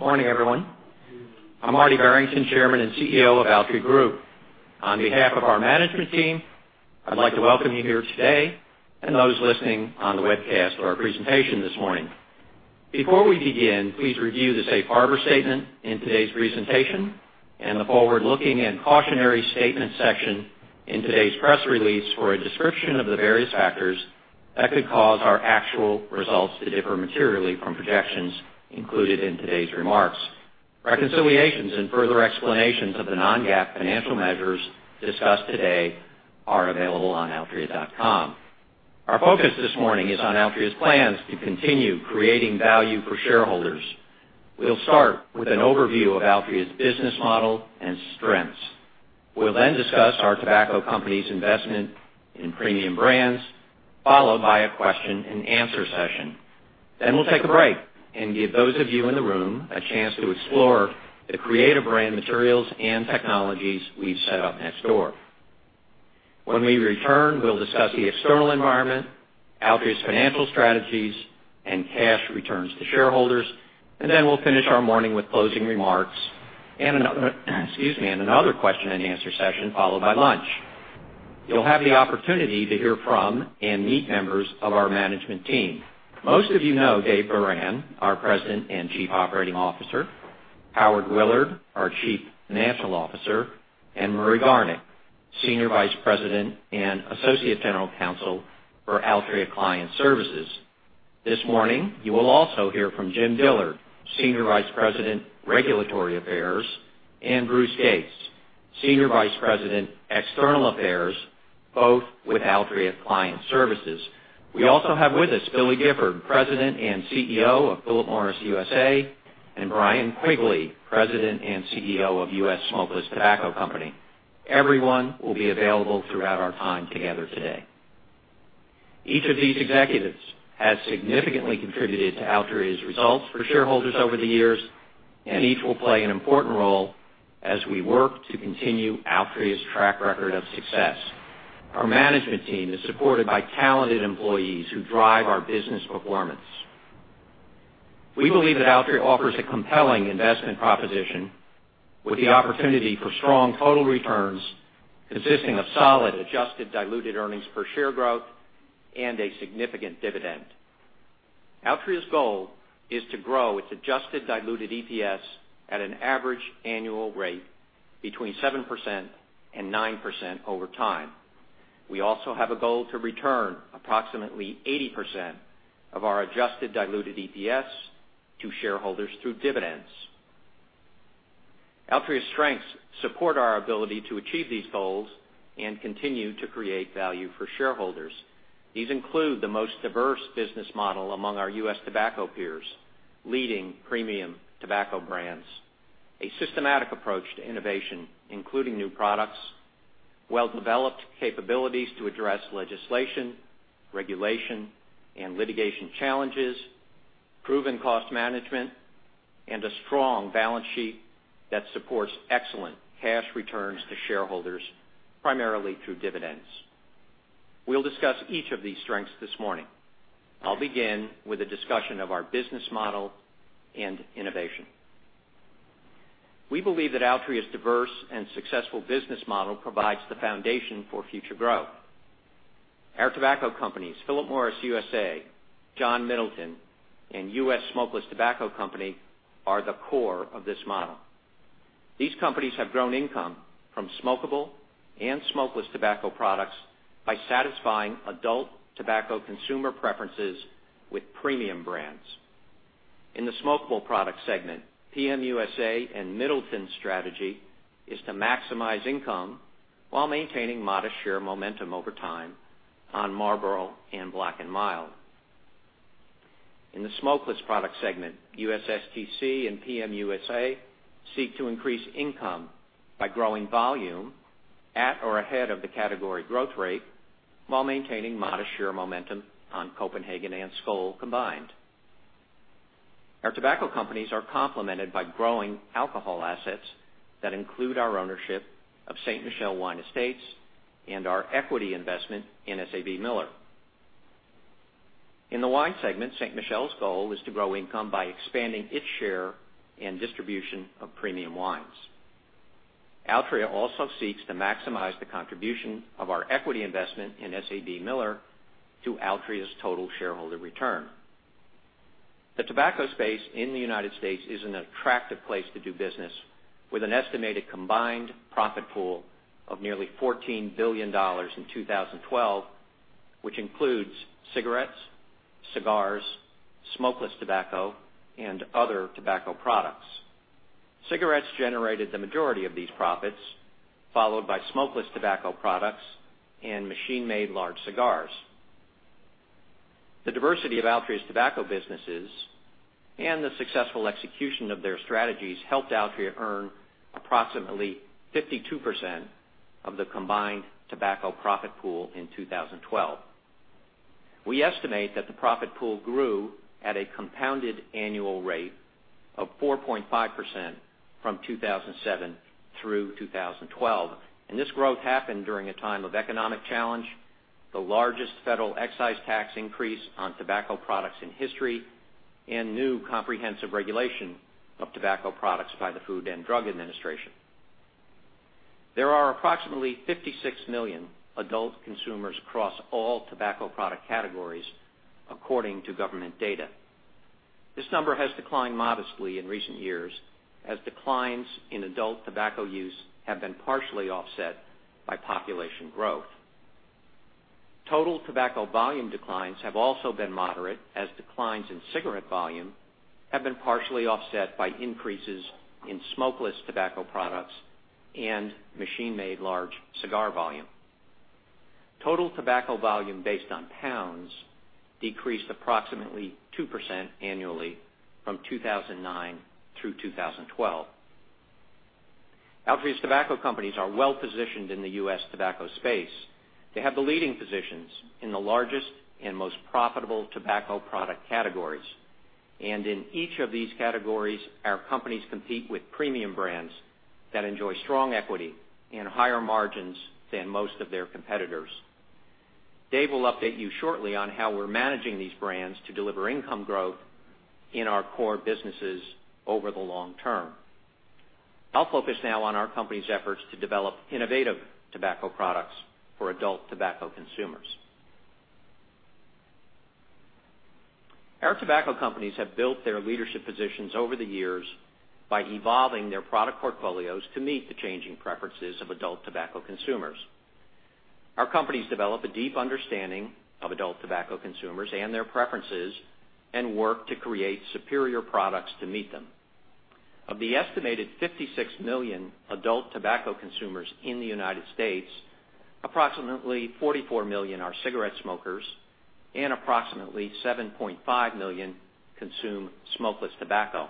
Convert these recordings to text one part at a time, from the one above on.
Morning, everyone. I'm Marty Barrington, Chairman and CEO of Altria Group. On behalf of our management team, I'd like to welcome you here today and those listening on the webcast for our presentation this morning. Before we begin, please review the safe harbor statement in today's presentation and the forward-looking and cautionary statement section in today's press release for a description of the various factors that could cause our actual results to differ materially from projections included in today's remarks. Reconciliations and further explanations of the non-GAAP financial measures discussed today are available on altria.com. Our focus this morning is on Altria's plans to continue creating value for shareholders. We'll start with an overview of Altria's business model and strengths. We'll discuss our tobacco company's investment in premium brands, followed by a question and answer session. We'll take a break and give those of you in the room a chance to explore the creative brand materials and technologies we've set up next door. When we return, we'll discuss the external environment, Altria's financial strategies, and cash returns to shareholders, we'll finish our morning with closing remarks and another question and answer session, followed by lunch. You'll have the opportunity to hear from and meet members of our management team. Most of you know Dave Baran, our President and Chief Operating Officer, Howard Willard, our Chief Financial Officer, and Murray Garnick, Senior Vice President and Associate General Counsel for Altria Client Services. This morning, you will also hear from Jim Dillard, Senior Vice President, Regulatory Affairs, and Bruce Gates, Senior Vice President, External Affairs, both with Altria Client Services. We also have with us Billy Gifford, President and CEO of Philip Morris USA, and Brian Quigley, President and CEO of U.S. Smokeless Tobacco Company. Everyone will be available throughout our time together today. Each of these executives has significantly contributed to Altria's results for shareholders over the years, and each will play an important role as we work to continue Altria's track record of success. Our management team is supported by talented employees who drive our business performance. We believe that Altria offers a compelling investment proposition with the opportunity for strong total returns consisting of solid adjusted diluted earnings per share growth and a significant dividend. Altria's goal is to grow its adjusted diluted EPS at an average annual rate between 7% and 9% over time. We also have a goal to return approximately 80% of our adjusted diluted EPS to shareholders through dividends. Altria's strengths support our ability to achieve these goals and continue to create value for shareholders. These include the most diverse business model among our U.S. tobacco peers, leading premium tobacco brands, a systematic approach to innovation, including new products, well-developed capabilities to address legislation, regulation, and litigation challenges, proven cost management, and a strong balance sheet that supports excellent cash returns to shareholders, primarily through dividends. We'll discuss each of these strengths this morning. I'll begin with a discussion of our business model and innovation. We believe that Altria's diverse and successful business model provides the foundation for future growth. Our tobacco companies, Philip Morris USA, John Middleton, and U.S. Smokeless Tobacco Company, are the core of this model. These companies have grown income from smokable and smokeless tobacco products by satisfying adult tobacco consumer preferences with premium brands. In the smokable product segment, PM USA and Middleton's strategy is to maximize income while maintaining modest share momentum over time on Marlboro and Black & Mild. In the smokeless product segment, USSTC and PM USA seek to increase income by growing volume at or ahead of the category growth rate while maintaining modest share momentum on Copenhagen and Skoal combined. Our tobacco companies are complemented by growing alcohol assets that include our ownership of Ste. Michelle Wine Estates and our equity investment in SABMiller. In the wine segment, Ste. Michelle's goal is to grow income by expanding its share and distribution of premium wines. Altria also seeks to maximize the contribution of our equity investment in SABMiller to Altria's total shareholder return. The tobacco space in the U.S. is an attractive place to do business with an estimated combined profit pool of nearly $14 billion in 2012, which includes cigarettes, cigars, smokeless tobacco, and other tobacco products. Cigarettes generated the majority of these profits, followed by smokeless tobacco products and machine-made large cigars. The diversity of Altria's tobacco businesses and the successful execution of their strategies helped Altria earn approximately 52% of the combined tobacco profit pool in 2012. We estimate that the profit pool grew at a compounded annual rate of 4.5% from 2007 through 2012, and this growth happened during a time of economic challenge, the largest federal excise tax increase on tobacco products in history and new comprehensive regulation of tobacco products by the Food and Drug Administration. There are approximately 56 million adult consumers across all tobacco product categories, according to government data. This number has declined modestly in recent years, as declines in adult tobacco use have been partially offset by population growth. Total tobacco volume declines have also been moderate, as declines in cigarette volume have been partially offset by increases in smokeless tobacco products and machine-made large cigar volume. Total tobacco volume based on pounds decreased approximately 2% annually from 2009 through 2012. Altria's tobacco companies are well-positioned in the U.S. tobacco space. They have the leading positions in the largest and most profitable tobacco product categories. In each of these categories, our companies compete with premium brands that enjoy strong equity and higher margins than most of their competitors. Dave will update you shortly on how we're managing these brands to deliver income growth in our core businesses over the long term. I'll focus now on our company's efforts to develop innovative tobacco products for adult tobacco consumers. Our tobacco companies have built their leadership positions over the years by evolving their product portfolios to meet the changing preferences of adult tobacco consumers. Our companies develop a deep understanding of adult tobacco consumers and their preferences and work to create superior products to meet them. Of the estimated 56 million adult tobacco consumers in the U.S., approximately 44 million are cigarette smokers and approximately 7.5 million consume smokeless tobacco.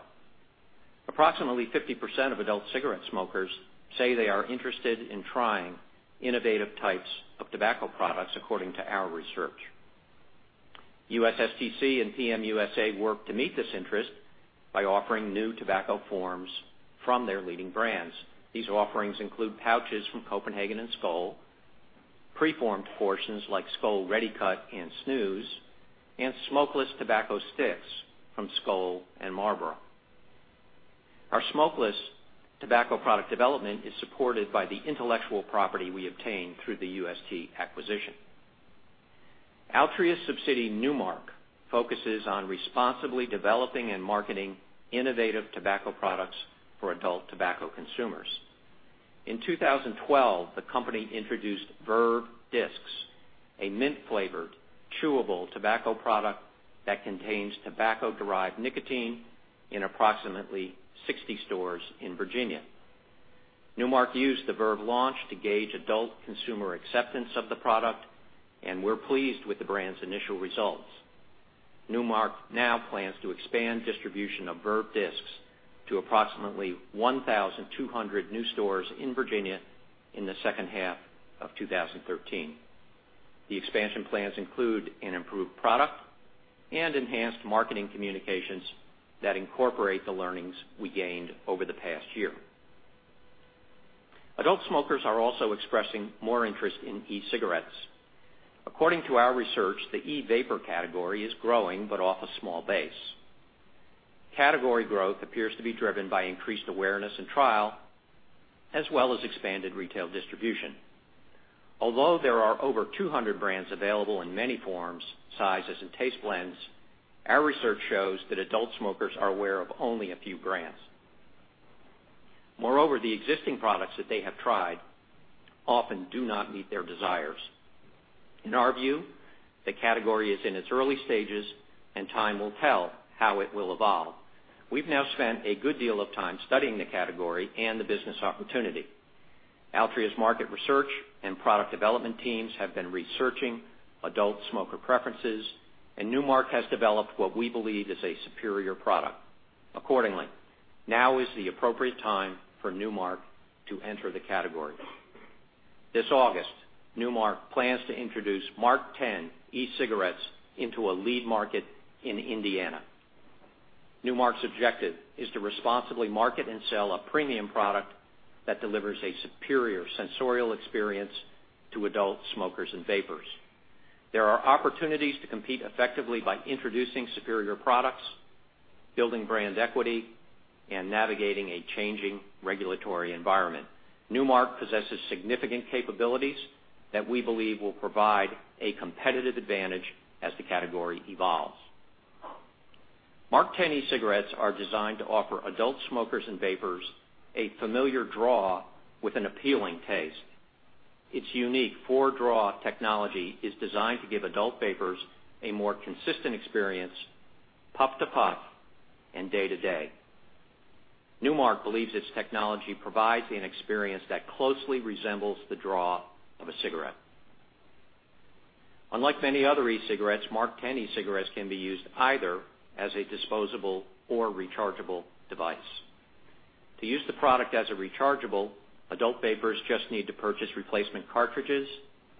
Approximately 50% of adult cigarette smokers say they are interested in trying innovative types of tobacco products, according to our research. USSTC and PM USA work to meet this interest by offering new tobacco forms from their leading brands. These offerings include pouches from Copenhagen and Skoal, pre-formed portions like Skoal ReadyCut and Sleek, and smokeless tobacco sticks from Skoal and Marlboro. Our smokeless tobacco product development is supported by the intellectual property we obtained through the UST acquisition. Altria's subsidiary, Nu Mark, focuses on responsibly developing and marketing innovative tobacco products for adult tobacco consumers. In 2012, the company introduced Vuse Disks, a mint-flavored chewable tobacco product that contains tobacco-derived nicotine in approximately 60 stores in Virginia. Nu Mark used the Vuse launch to gauge adult consumer acceptance of the product, and we're pleased with the brand's initial results. Nu Mark now plans to expand distribution of Vuse Disks to approximately 1,200 new stores in Virginia in the second half of 2013. The expansion plans include an improved product and enhanced marketing communications that incorporate the learnings we gained over the past year. Adult smokers are also expressing more interest in e-cigarettes. According to our research, the e-vapor category is growing, but off a small base. Category growth appears to be driven by increased awareness and trial, as well as expanded retail distribution. Although there are over 200 brands available in many forms, sizes, and taste blends, our research shows that adult smokers are aware of only a few brands. Moreover, the existing products that they have tried often do not meet their desires. In our view, the category is in its early stages, and time will tell how it will evolve. We've now spent a good deal of time studying the category and the business opportunity. Altria's market research and product development teams have been researching adult smoker preferences, and Nu Mark has developed what we believe is a superior product. Accordingly, now is the appropriate time for Nu Mark to enter the category. This August, Nu Mark plans to introduce MarkTen e-cigarettes into a lead market in Indiana. Nu Mark's objective is to responsibly market and sell a premium product that delivers a superior sensorial experience to adult smokers and vapers. There are opportunities to compete effectively by introducing superior products, building brand equity, and navigating a changing regulatory environment. Nu Mark possesses significant capabilities that we believe will provide a competitive advantage as the category evolves. MarkTen e-cigarettes are designed to offer adult smokers and vapers a familiar draw with an appealing taste. Its unique Four Draw technology is designed to give adult vapers a more consistent experience puff to puff and day to day. Nu Mark believes its technology provides an experience that closely resembles the draw of a cigarette. Unlike many other e-cigarettes, MarkTen e-cigarettes can be used either as a disposable or rechargeable device. To use the product as a rechargeable, adult vapers just need to purchase replacement cartridges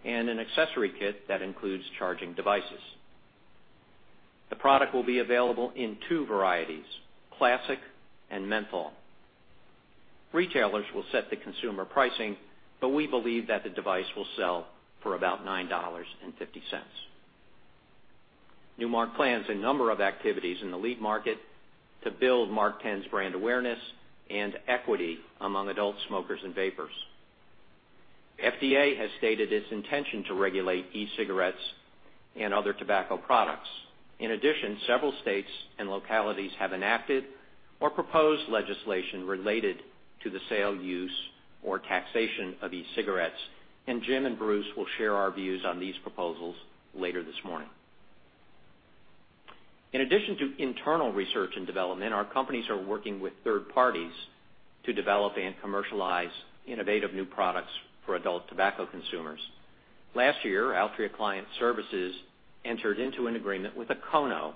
and an accessory kit that includes charging devices. The product will be available in two varieties, classic and menthol. Retailers will set the consumer pricing, but we believe that the device will sell for about $9.50. Nu Mark plans a number of activities in the lead market to build MarkTen's brand awareness and equity among adult smokers and vapers. FDA has stated its intention to regulate e-cigarettes and other tobacco products. In addition, several states and localities have enacted or proposed legislation related to the sale, use, or taxation of e-cigarettes, and Jim and Bruce will share our views on these proposals later this morning. In addition to internal research and development, our companies are working with third parties to develop and commercialize innovative new products for adult tobacco consumers. Last year, Altria Client Services entered into an agreement with Okono,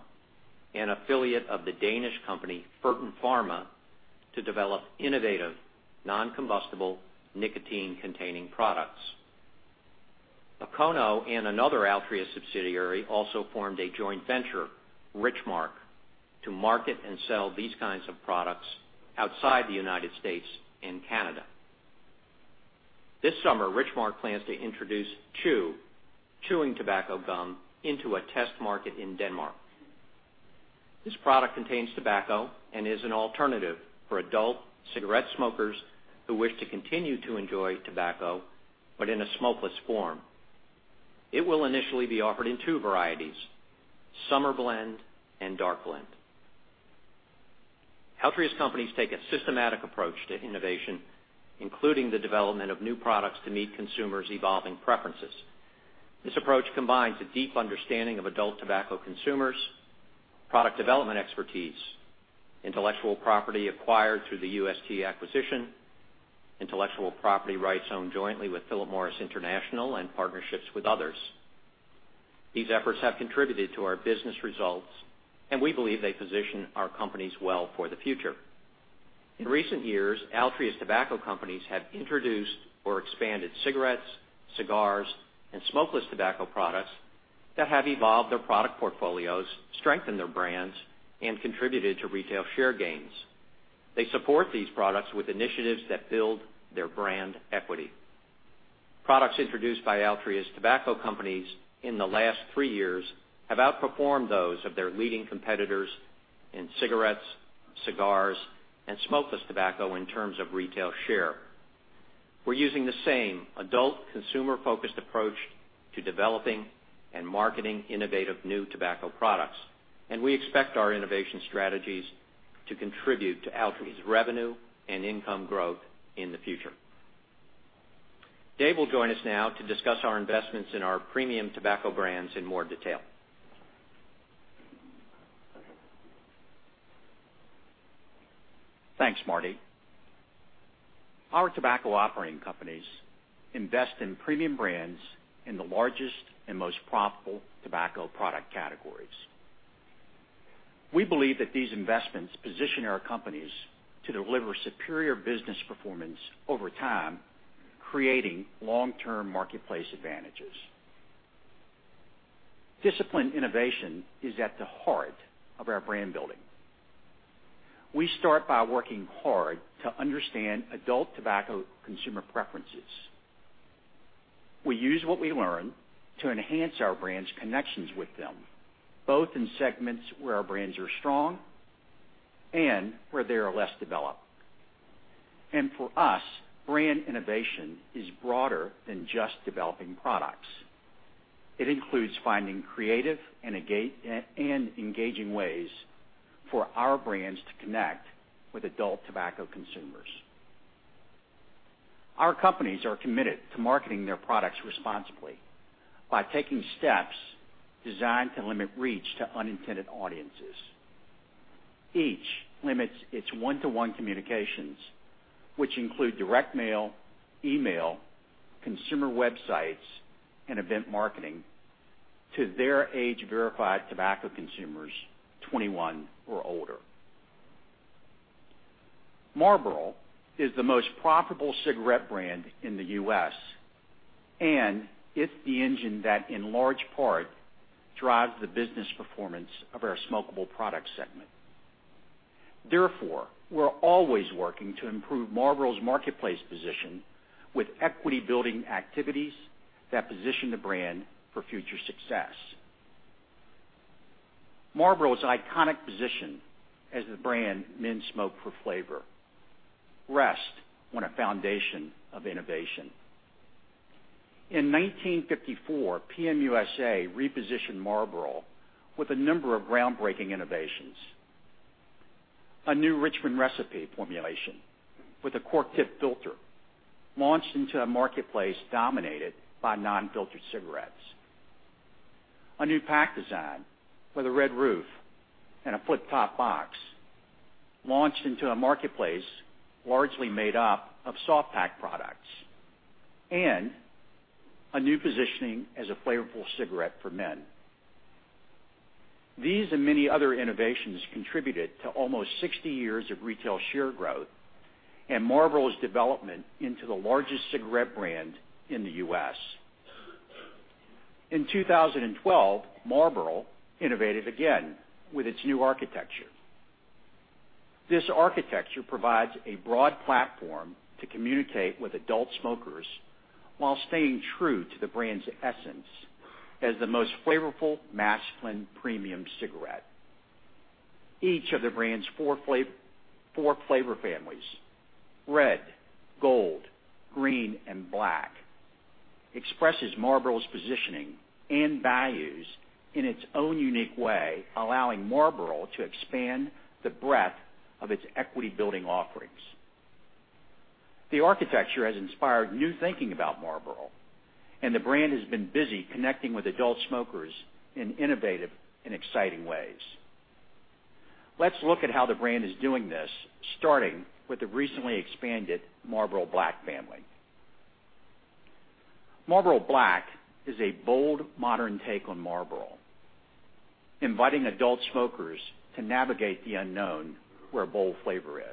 an affiliate of the Danish company Fertin Pharma, to develop innovative non-combustible nicotine-containing products. Okono and another Altria subsidiary also formed a joint venture, Richmark, to market and sell these kinds of products outside the United States and Canada. This summer, Richmark plans to introduce chew, chewing tobacco gum into a test market in Denmark. This product contains tobacco and is an alternative for adult cigarette smokers who wish to continue to enjoy tobacco, but in a smokeless form. It will initially be offered in two varieties, summer blend and dark blend. Altria's companies take a systematic approach to innovation, including the development of new products to meet consumers' evolving preferences. This approach combines a deep understanding of adult tobacco consumers, product development expertise, intellectual property acquired through the UST acquisition, intellectual property rights owned jointly with Philip Morris International, and partnerships with others. These efforts have contributed to our business results, and we believe they position our companies well for the future. In recent years, Altria's tobacco companies have introduced or expanded cigarettes, cigars, and smokeless tobacco products that have evolved their product portfolios, strengthened their brands, and contributed to retail share gains. They support these products with initiatives that build their brand equity. Products introduced by Altria's tobacco companies in the last three years have outperformed those of their leading competitors in cigarettes, cigars, and smokeless tobacco in terms of retail share. We're using the same adult consumer-focused approach to developing and marketing innovative new tobacco products. We expect our innovation strategies to contribute to Altria's revenue and income growth in the future. Dave will join us now to discuss our investments in our premium tobacco brands in more detail. Thanks, Marty. Our tobacco operating companies invest in premium brands in the largest and most profitable tobacco product categories. We believe that these investments position our companies to deliver superior business performance over time, creating long-term marketplace advantages. Disciplined innovation is at the heart of our brand building. We start by working hard to understand adult tobacco consumer preferences. We use what we learn to enhance our brands' connections with them, both in segments where our brands are strong and where they are less developed. For us, brand innovation is broader than just developing products. It includes finding creative and engaging ways for our brands to connect with adult tobacco consumers. Our companies are committed to marketing their products responsibly by taking steps designed to limit reach to unintended audiences. Each limits its one-to-one communications, which include direct mail, email, consumer websites, and event marketing to their age-verified tobacco consumers 21 or older. Marlboro is the most profitable cigarette brand in the U.S. and it's the engine that in large part drives the business performance of our smokable product segment. Therefore, we're always working to improve Marlboro's marketplace position with equity-building activities that position the brand for future success. Marlboro's iconic position as the brand men smoke for flavor rests on a foundation of innovation. In 1954, PM USA repositioned Marlboro with a number of groundbreaking innovations. A new Richmond recipe formulation with a cork tip filter launched into a marketplace dominated by non-filtered cigarettes. A new pack design with a red roof and a flip-top box launched into a marketplace largely made up of soft pack products. A new positioning as a flavorful cigarette for men. These and many other innovations contributed to almost 60 years of retail share growth. Marlboro's development into the largest cigarette brand in the U.S. In 2012, Marlboro innovated again with its new architecture. This architecture provides a broad platform to communicate with adult smokers while staying true to the brand's essence as the most flavorful, masculine, premium cigarette. Each of the brand's four flavor families, Red, Gold, Green, and Black, expresses Marlboro's positioning and values in its own unique way, allowing Marlboro to expand the breadth of its equity-building offerings. The architecture has inspired new thinking about Marlboro, and the brand has been busy connecting with adult smokers in innovative and exciting ways. Let's look at how the brand is doing this, starting with the recently expanded Marlboro Black family. Marlboro Black is a bold, modern take on Marlboro, inviting adult smokers to navigate the unknown where bold flavor is.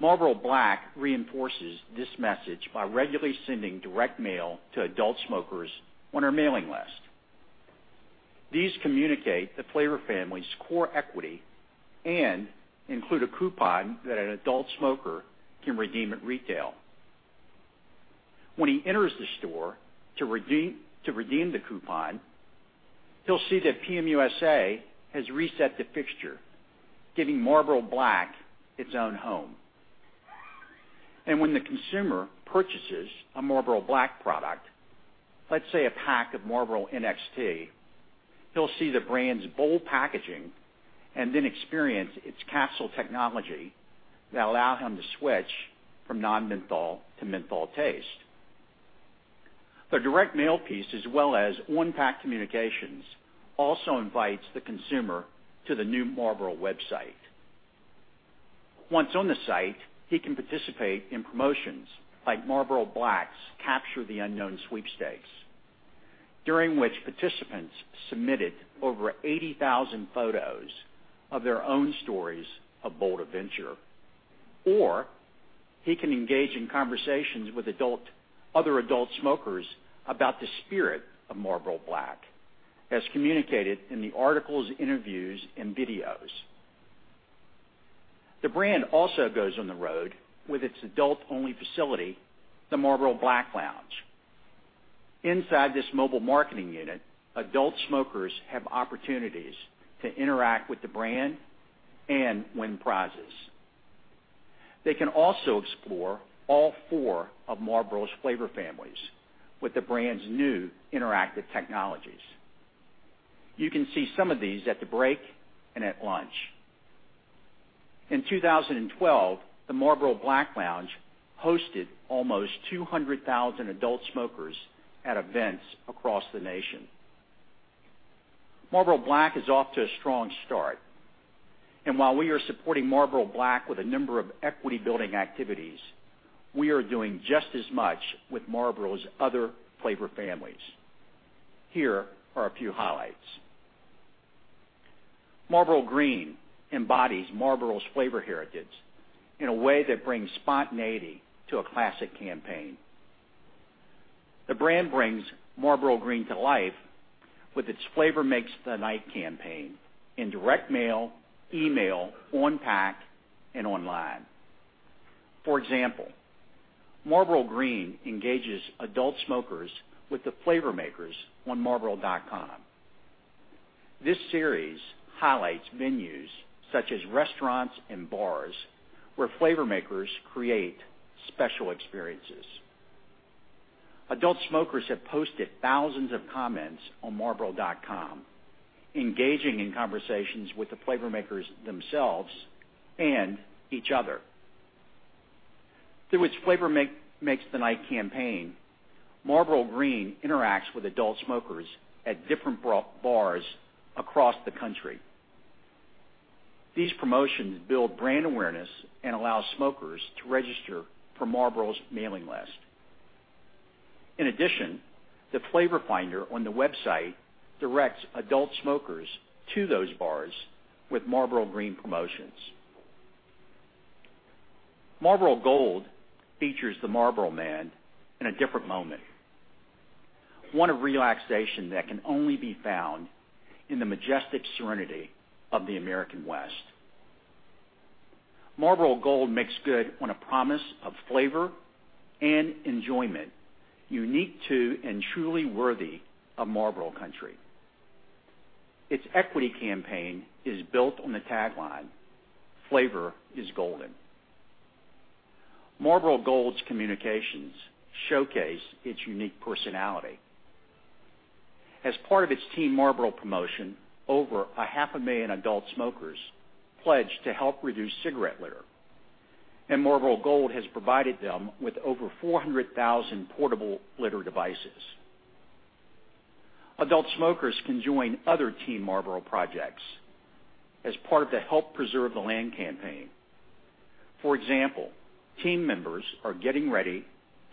Marlboro Black reinforces this message by regularly sending direct mail to adult smokers on our mailing list. These communicate the flavor family's core equity and include a coupon that an adult smoker can redeem at retail. When he enters the store to redeem the coupon, he'll see that PM USA has reset the fixture, giving Marlboro Black its own home. When the consumer purchases a Marlboro Black product, let's say a pack of Marlboro NXT, he'll see the brand's bold packaging and then experience its capsule technology that allow him to switch from non-menthol to menthol taste. The direct mail piece, as well as on-pack communications, also invites the consumer to the new marlboro.com. Once on the site, he can participate in promotions like Marlboro Black's Capture the Unknown sweepstakes, during which participants submitted over 80,000 photos of their own stories of bold adventure. He can engage in conversations with other adult smokers about the spirit of Marlboro Black, as communicated in the articles, interviews, and videos. The brand also goes on the road with its adult-only facility, the Marlboro Black Lounge. Inside this mobile marketing unit, adult smokers have opportunities to interact with the brand and win prizes. They can also explore all four of Marlboro's flavor families with the brand's new interactive technologies. You can see some of these at the break and at lunch. In 2012, the Marlboro Black Lounge hosted almost 200,000 adult smokers at events across the nation. Marlboro Black is off to a strong start. While we are supporting Marlboro Black with a number of equity-building activities, we are doing just as much with Marlboro's other flavor families. Here are a few highlights. Marlboro Green embodies Marlboro's flavor heritage in a way that brings spontaneity to a classic campaign. The brand brings Marlboro Green to life with its Flavor Makes the Night campaign in direct mail, email, on-pack, and online. For example, Marlboro Green engages adult smokers with the flavor makers on marlboro.com. This series highlights venues such as restaurants and bars where flavor makers create special experiences. Adult smokers have posted thousands of comments on marlboro.com, engaging in conversations with the flavor makers themselves and each other. Through its Flavor Makes the Night campaign, Marlboro Green interacts with adult smokers at different bars across the country. These promotions build brand awareness and allow smokers to register for Marlboro's mailing list. In addition, the flavor finder on the website directs adult smokers to those bars with Marlboro Green promotions. Marlboro Gold features the Marlboro Man in a different moment, one of relaxation that can only be found in the majestic serenity of the American West. Marlboro Gold makes good on a promise of flavor and enjoyment unique to and truly worthy of Marlboro Country. Its equity campaign is built on the tagline, "Flavor is golden." Marlboro Gold's communications showcase its unique personality. As part of its Team Marlboro promotion, over a half a million adult smokers pledged to help reduce cigarette litter. Marlboro Gold has provided them with over 400,000 portable litter devices. Adult smokers can join other Team Marlboro projects as part of the Help Preserve the Land campaign. For example, team members are getting ready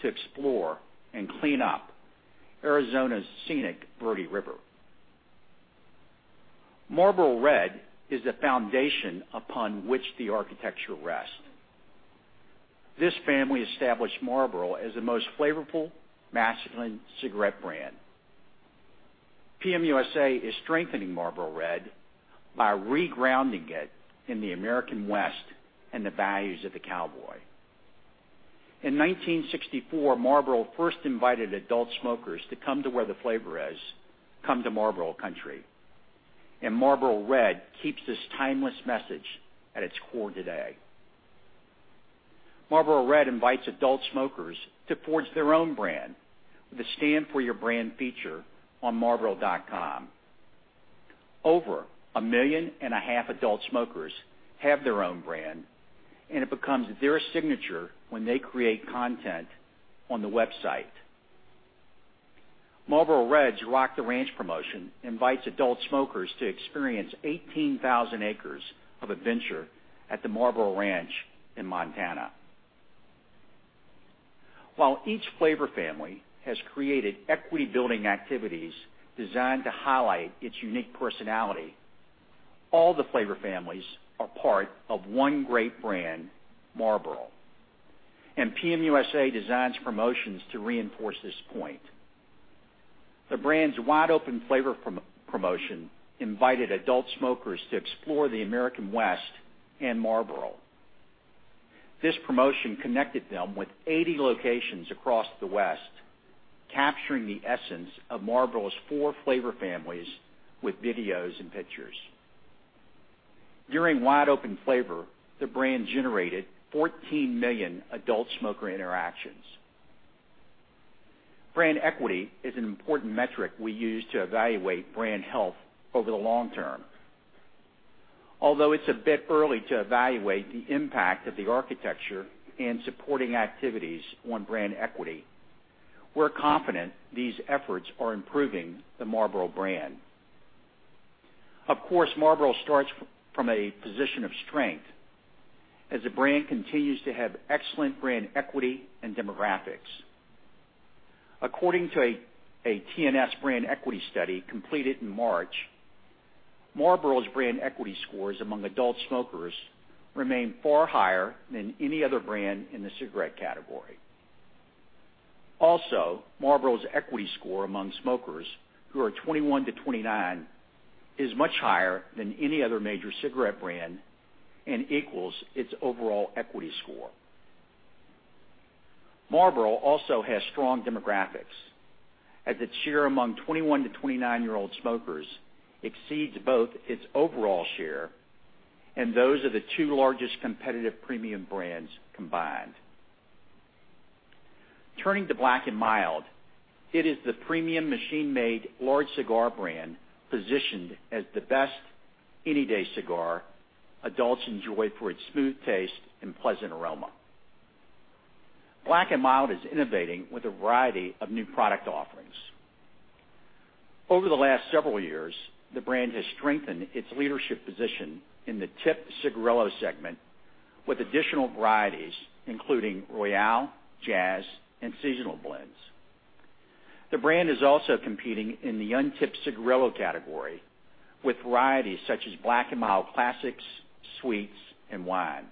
to explore and clean up Arizona's scenic Verde River. Marlboro Red is the foundation upon which the architecture rests. This family established Marlboro as the most flavorful, masculine cigarette brand. PM USA is strengthening Marlboro Red by regrounding it in the American West and the values of the cowboy. In 1964, Marlboro first invited adult smokers to come to where the flavor is, come to Marlboro Country. Marlboro Red keeps this timeless message at its core today. Marlboro Red invites adult smokers to forge their own brand with a Stand For Your Brand feature on marlboro.com. Over 1.5 million adult smokers have their own brand, and it becomes their signature when they create content on the website. Marlboro Red's Rock the Ranch promotion invites adult smokers to experience 18,000 acres of adventure at the Marlboro Ranch in Montana. While each flavor family has created equity-building activities designed to highlight its unique personality, all the flavor families are part of one great brand, Marlboro. PM USA designs promotions to reinforce this point. The brand's Wide Open Flavor promotion invited adult smokers to explore the American West and Marlboro. This promotion connected them with 80 locations across the West, capturing the essence of Marlboro's four flavor families with videos and pictures. During Wide Open Flavor, the brand generated 14 million adult smoker interactions. Brand equity is an important metric we use to evaluate brand health over the long term. Although it's a bit early to evaluate the impact of the architecture and supporting activities on brand equity, we're confident these efforts are improving the Marlboro brand. Of course, Marlboro starts from a position of strength as the brand continues to have excellent brand equity and demographics. According to a TNS brand equity study completed in March, Marlboro's brand equity scores among adult smokers remain far higher than any other brand in the cigarette category. Marlboro's equity score among smokers who are 21 to 29 is much higher than any other major cigarette brand and equals its overall equity score. Marlboro also has strong demographics, as its share among 21 to 29-year-old smokers exceeds both its overall share and those of the two largest competitive premium brands combined. Turning to Black & Mild, it is the premium machine-made large cigar brand positioned as the best any-day cigar adults enjoy for its smooth taste and pleasant aroma. Black & Mild is innovating with a variety of new product offerings. Over the last several years, the brand has strengthened its leadership position in the tipped cigarillo segment with additional varieties, including Royale, Jazz, and Seasonal Blends. The brand is also competing in the untipped cigarillo category with varieties such as Black & Mild Classics, Sweets, and Wine.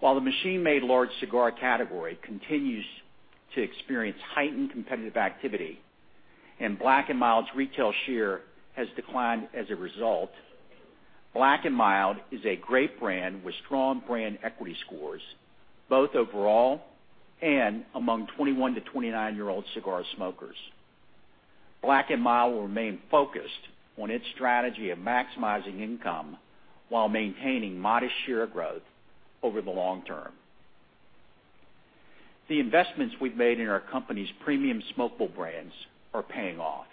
While the machine-made large cigar category continues to experience heightened competitive activity and Black & Mild's retail share has declined as a result, Black & Mild is a great brand with strong brand equity scores, both overall and among 21 to 29-year-old cigar smokers. Black & Mild will remain focused on its strategy of maximizing income while maintaining modest share growth over the long term. The investments we've made in our company's premium smokeable brands are paying off.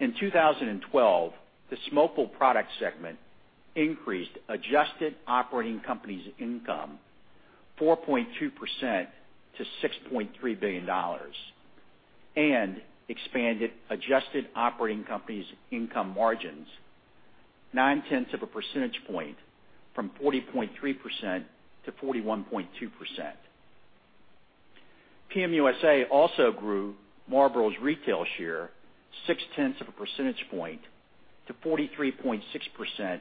In 2012, the smokeable product segment increased adjusted operating company's income 4.2% to $6.3 billion and expanded adjusted operating companies' income margins 9.1 percentage point from 40.3% to 41.2%. PM USA also grew Marlboro's retail share 6.1 percentage point to 43.6%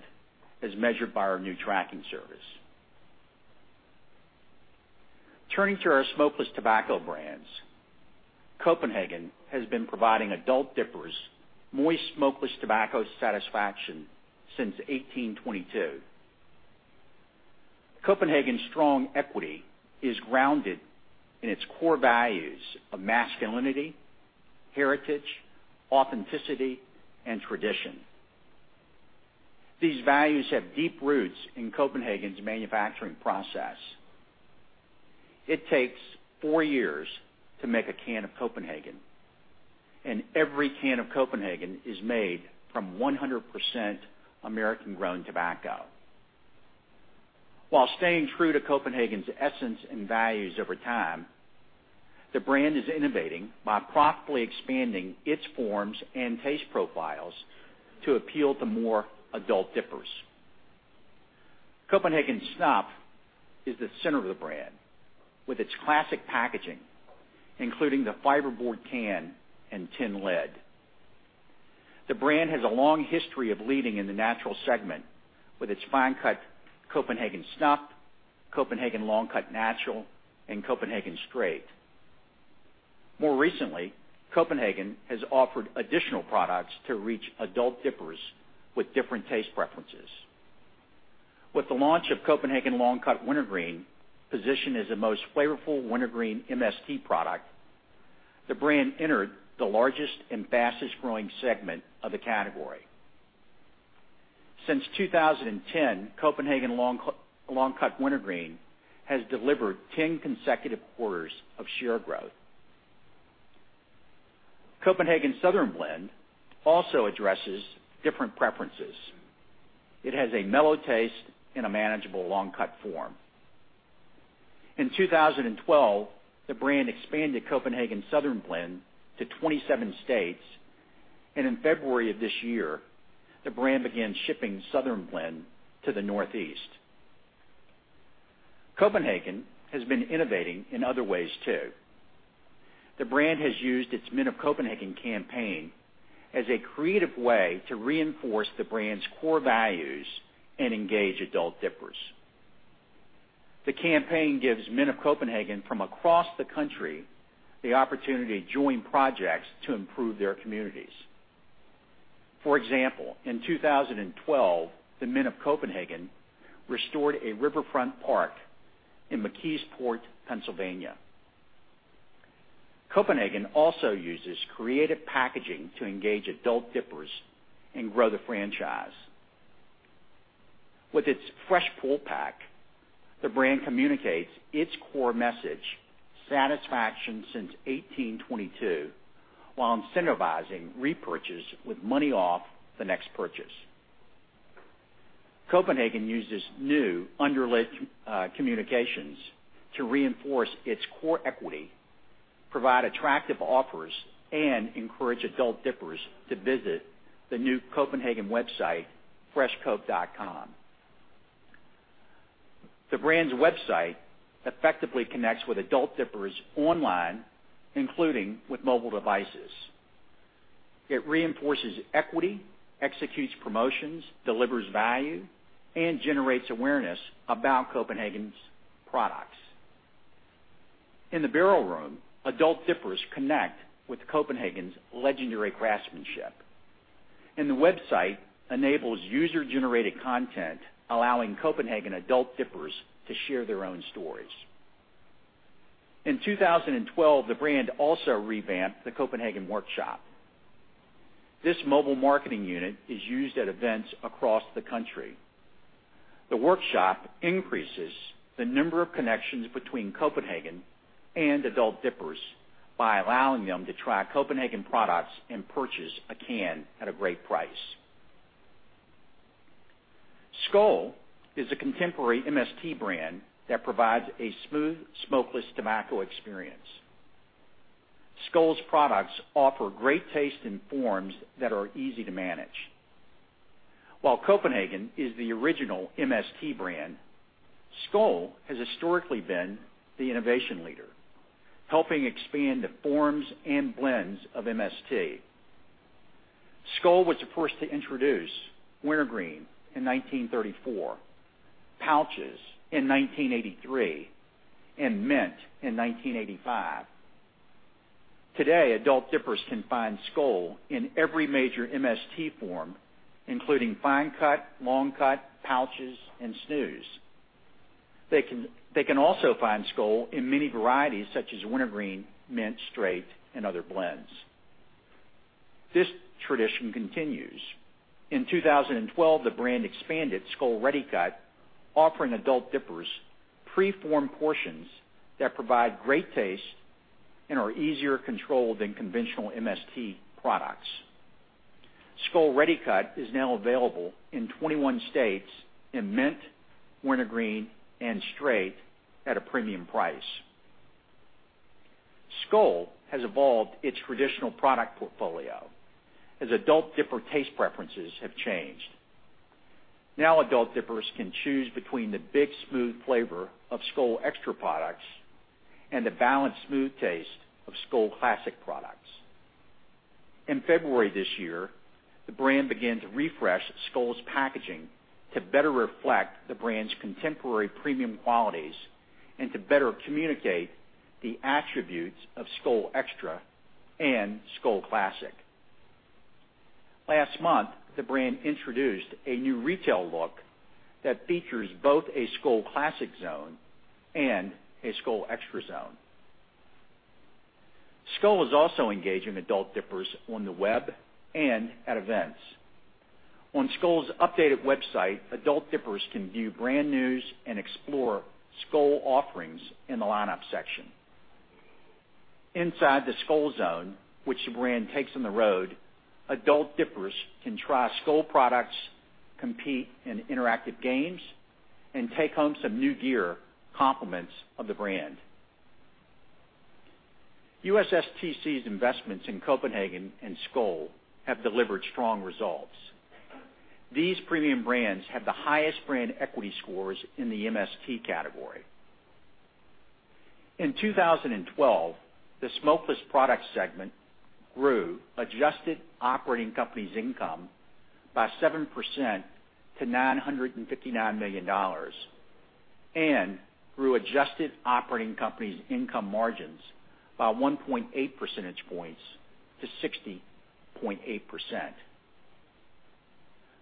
as measured by our new tracking service. Turning to our smokeless tobacco brands. Copenhagen has been providing adult dippers moist smokeless tobacco satisfaction since 1822. Copenhagen's strong equity is grounded in its core values of masculinity, heritage, authenticity, and tradition. These values have deep roots in Copenhagen's manufacturing process. It takes four years to make a can of Copenhagen, and every can of Copenhagen is made from 100% American-grown tobacco. While staying true to Copenhagen's essence and values over time, the brand is innovating by profitably expanding its forms and taste profiles to appeal to more adult dippers. Copenhagen Snuff is the center of the brand with its classic packaging, including the fiberboard can and tin lid. The brand has a long history of leading in the natural segment with its fine cut Copenhagen Snuff, Copenhagen Long Cut Original, and Copenhagen Straight. More recently, Copenhagen has offered additional products to reach adult dippers with different taste preferences. With the launch of Copenhagen Long Cut Wintergreen, positioned as the most flavorful wintergreen MST product, the brand entered the largest and fastest-growing segment of the category. Since 2010, Copenhagen Long Cut Wintergreen has delivered 10 consecutive quarters of share growth. Copenhagen Southern Blend also addresses different preferences. It has a mellow taste and a manageable long cut form. In 2012, the brand expanded Copenhagen Southern Blend to 27 states, and in February of this year, the brand began shipping Southern Blend to the Northeast. Copenhagen has been innovating in other ways, too. The brand has used its Men of Copenhagen campaign as a creative way to reinforce the brand's core values and engage adult dippers. The campaign gives Men of Copenhagen from across the country the opportunity to join projects to improve their communities. For example, in 2012, the Men of Copenhagen restored a riverfront park in McKeesport, Pennsylvania. Copenhagen also uses creative packaging to engage adult dippers and grow the franchise. With its fresh pull pack, the brand communicates its core message, satisfaction since 1822, while incentivizing repurchase with money off the next purchase. Copenhagen uses new under lid communications to reinforce its core equity, provide attractive offers, and encourage adult dippers to visit the new Copenhagen website, freshcope.com. The brand's website effectively connects with adult dippers online, including with mobile devices. It reinforces equity, executes promotions, delivers value, and generates awareness about Copenhagen's products. In the barrel room, adult dippers connect with Copenhagen's legendary craftsmanship. The website enables user-generated content, allowing Copenhagen adult dippers to share their own stories. In 2012, the brand also revamped the Copenhagen Workshop. This mobile marketing unit is used at events across the country. The workshop increases the number of connections between Copenhagen and adult dippers by allowing them to try Copenhagen products and purchase a can at a great price. Skoal is a contemporary MST brand that provides a smooth, smokeless tobacco experience. Skoal's products offer great taste and forms that are easy to manage. While Copenhagen is the original MST brand, Skoal has historically been the innovation leader, helping expand the forms and blends of MST. Skoal was the first to introduce Wintergreen in 1934, Pouches in 1983, and Mint in 1985. Today, adult dippers can find Skoal in every major MST form, including Fine Cut, Long Cut, Pouches, and Skools. They can also find Skoal in many varieties such as Wintergreen, Mint, Straight, and other blends. This tradition continues. In 2012, the brand expanded Skoal ReadyCut, offering adult dippers pre-formed portions that provide great taste and are easier controlled than conventional MST products. Skoal ReadyCut is now available in 21 states in Mint, Wintergreen, and Straight at a premium price. Skoal has evolved its traditional product portfolio as adult dipper taste preferences have changed. Now adult dippers can choose between the big, smooth flavor of Skoal X-tra products and the balanced, smooth taste of Skoal Classic products. In February this year, the brand began to refresh Skoal's packaging to better reflect the brand's contemporary premium qualities and to better communicate the attributes of Skoal X-tra and Skoal Classic. Last month, the brand introduced a new retail look that features both a Skoal Classic zone and a Skoal X-tra zone. Skoal is also engaging adult dippers on the web and at events. On Skoal's updated website, adult dippers can view brand news and explore Skoal offerings in the lineup section. Inside the Skoal Zone, which the brand takes on the road, adult dippers can try Skoal products, compete in interactive games, and take home some new gear, compliments of the brand. USSTC's investments in Copenhagen and Skoal have delivered strong results. These premium brands have the highest brand equity scores in the MST category. In 2012, the smokeless product segment grew adjusted operating company's income by 7% to $959 million and grew adjusted operating company's income margins by 1.8 percentage points to 60.8%.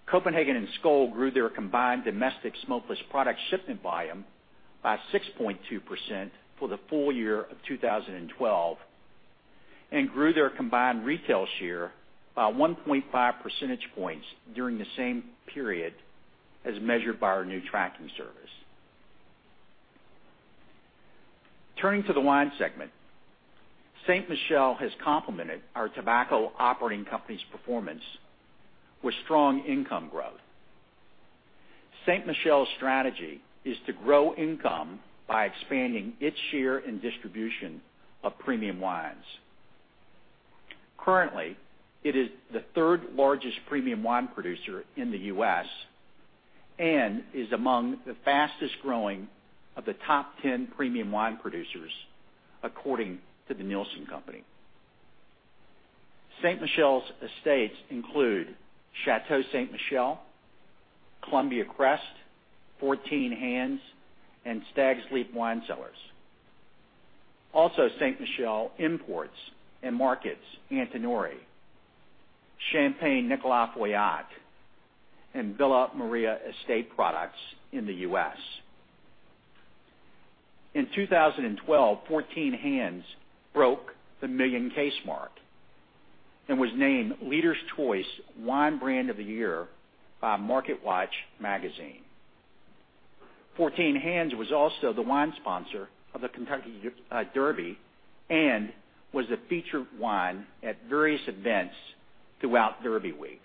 Copenhagen and Skoal grew their combined domestic smokeless product shipment volume by 6.2% for the full year of 2012, and grew their combined retail share by 1.5 percentage points during the same period as measured by our new tracking service. Turning to the wine segment, Ste. Ste. Michelle has complemented our tobacco operating company's performance with strong income growth. Ste. Michelle's strategy is to grow income by expanding its share in distribution of premium wines. Currently, it is the third-largest premium wine producer in the U.S. and is among the fastest-growing of the top 10 premium wine producers, according to The Nielsen Company. Ste. Michelle's estates include Chateau Ste. Michelle, Columbia Crest, 14 Hands, and Stag's Leap Wine Cellars. Also, Ste. Michelle imports and markets Antinori, Champagne Nicolas Feuillatte, and Villa Maria Estate products in the U.S. In 2012, 14 Hands broke the 1 million case mark and was named Leaders' Choice Wine Brand of the Year by Market Watch magazine. 14 Hands was also the wine sponsor of the Kentucky Derby and was the featured wine at various events throughout Derby week.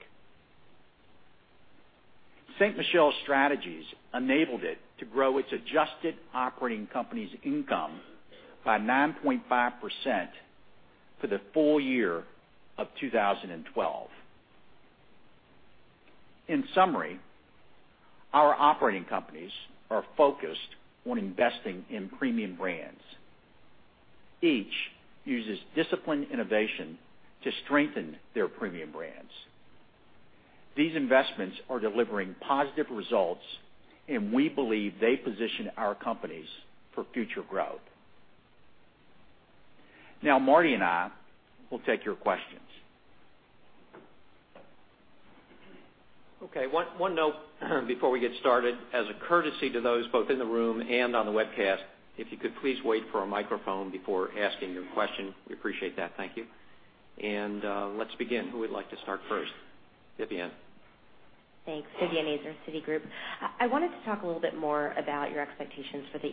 Ste. Ste. Michelle's strategies enabled it to grow its adjusted operating company's income by 9.5% for the full year of 2012. In summary, our operating companies are focused on investing in premium brands. Each uses disciplined innovation to strengthen their premium brands. These investments are delivering positive results, and we believe they position our companies for future growth. Now, Marty and I will take your questions. Okay. One note before we get started. As a courtesy to those both in the room and on the webcast, if you could please wait for a microphone before asking your question. We appreciate that. Thank you. Let's begin. Who would like to start first? Vivien. Thanks. Vivien Azer, Citigroup. I wanted to talk a little bit more about your expectations for the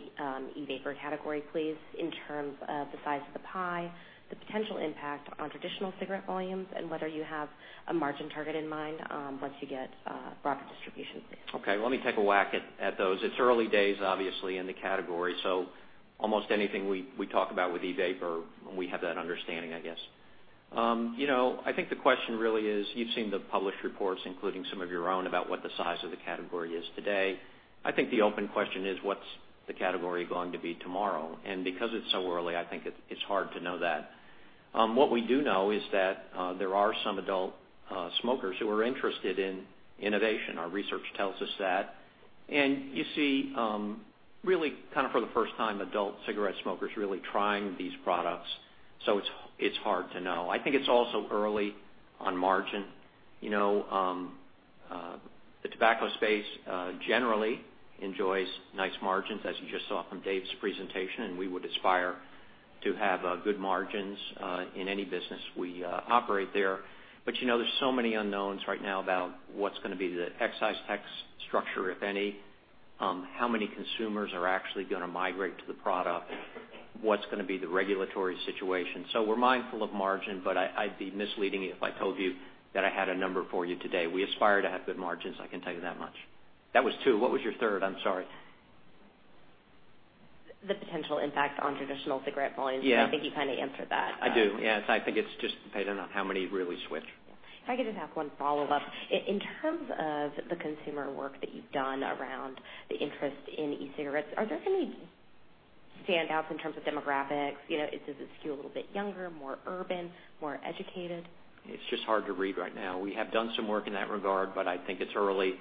e-vapor category, please, in terms of the size of the pie, the potential impact on traditional cigarette volumes, and whether you have a margin target in mind once you get broader distribution. Okay. Let me take a whack at those. It's early days, obviously, in the category. Almost anything we talk about with e-vapor, we have that understanding. I think the question really is you've seen the published reports, including some of your own, about what the size of the category is today. I think the open question is, what's the category going to be tomorrow? Because it's so early, I think it's hard to know that. What we do know is that there are some adult smokers who are interested in innovation. Our research tells us that. You see, really for the first time, adult cigarette smokers really trying these products. It's hard to know. I think it's also early on margin. The tobacco space generally enjoys nice margins, as you just saw from Dave Baran's presentation. We would aspire to have good margins in any business we operate there. There's so many unknowns right now about what's going to be the excise tax structure, if any, how many consumers are actually going to migrate to the product, what's going to be the regulatory situation. We're mindful of margin. I'd be misleading you if I told you that I had a number for you today. We aspire to have good margins, I can tell you that much. That was two. What was your third? I'm sorry. The potential impact on traditional cigarette volumes. Yeah. I think you kind of answered that. I do. Yes. I think it's just based on how many really switch. If I could just ask one follow-up. In terms of the consumer work that you've done around the interest in e-cigarettes, are there any standouts in terms of demographics? Does this skew a little bit younger, more urban, more educated? It's just hard to read right now. We have done some work in that regard. I think it's early.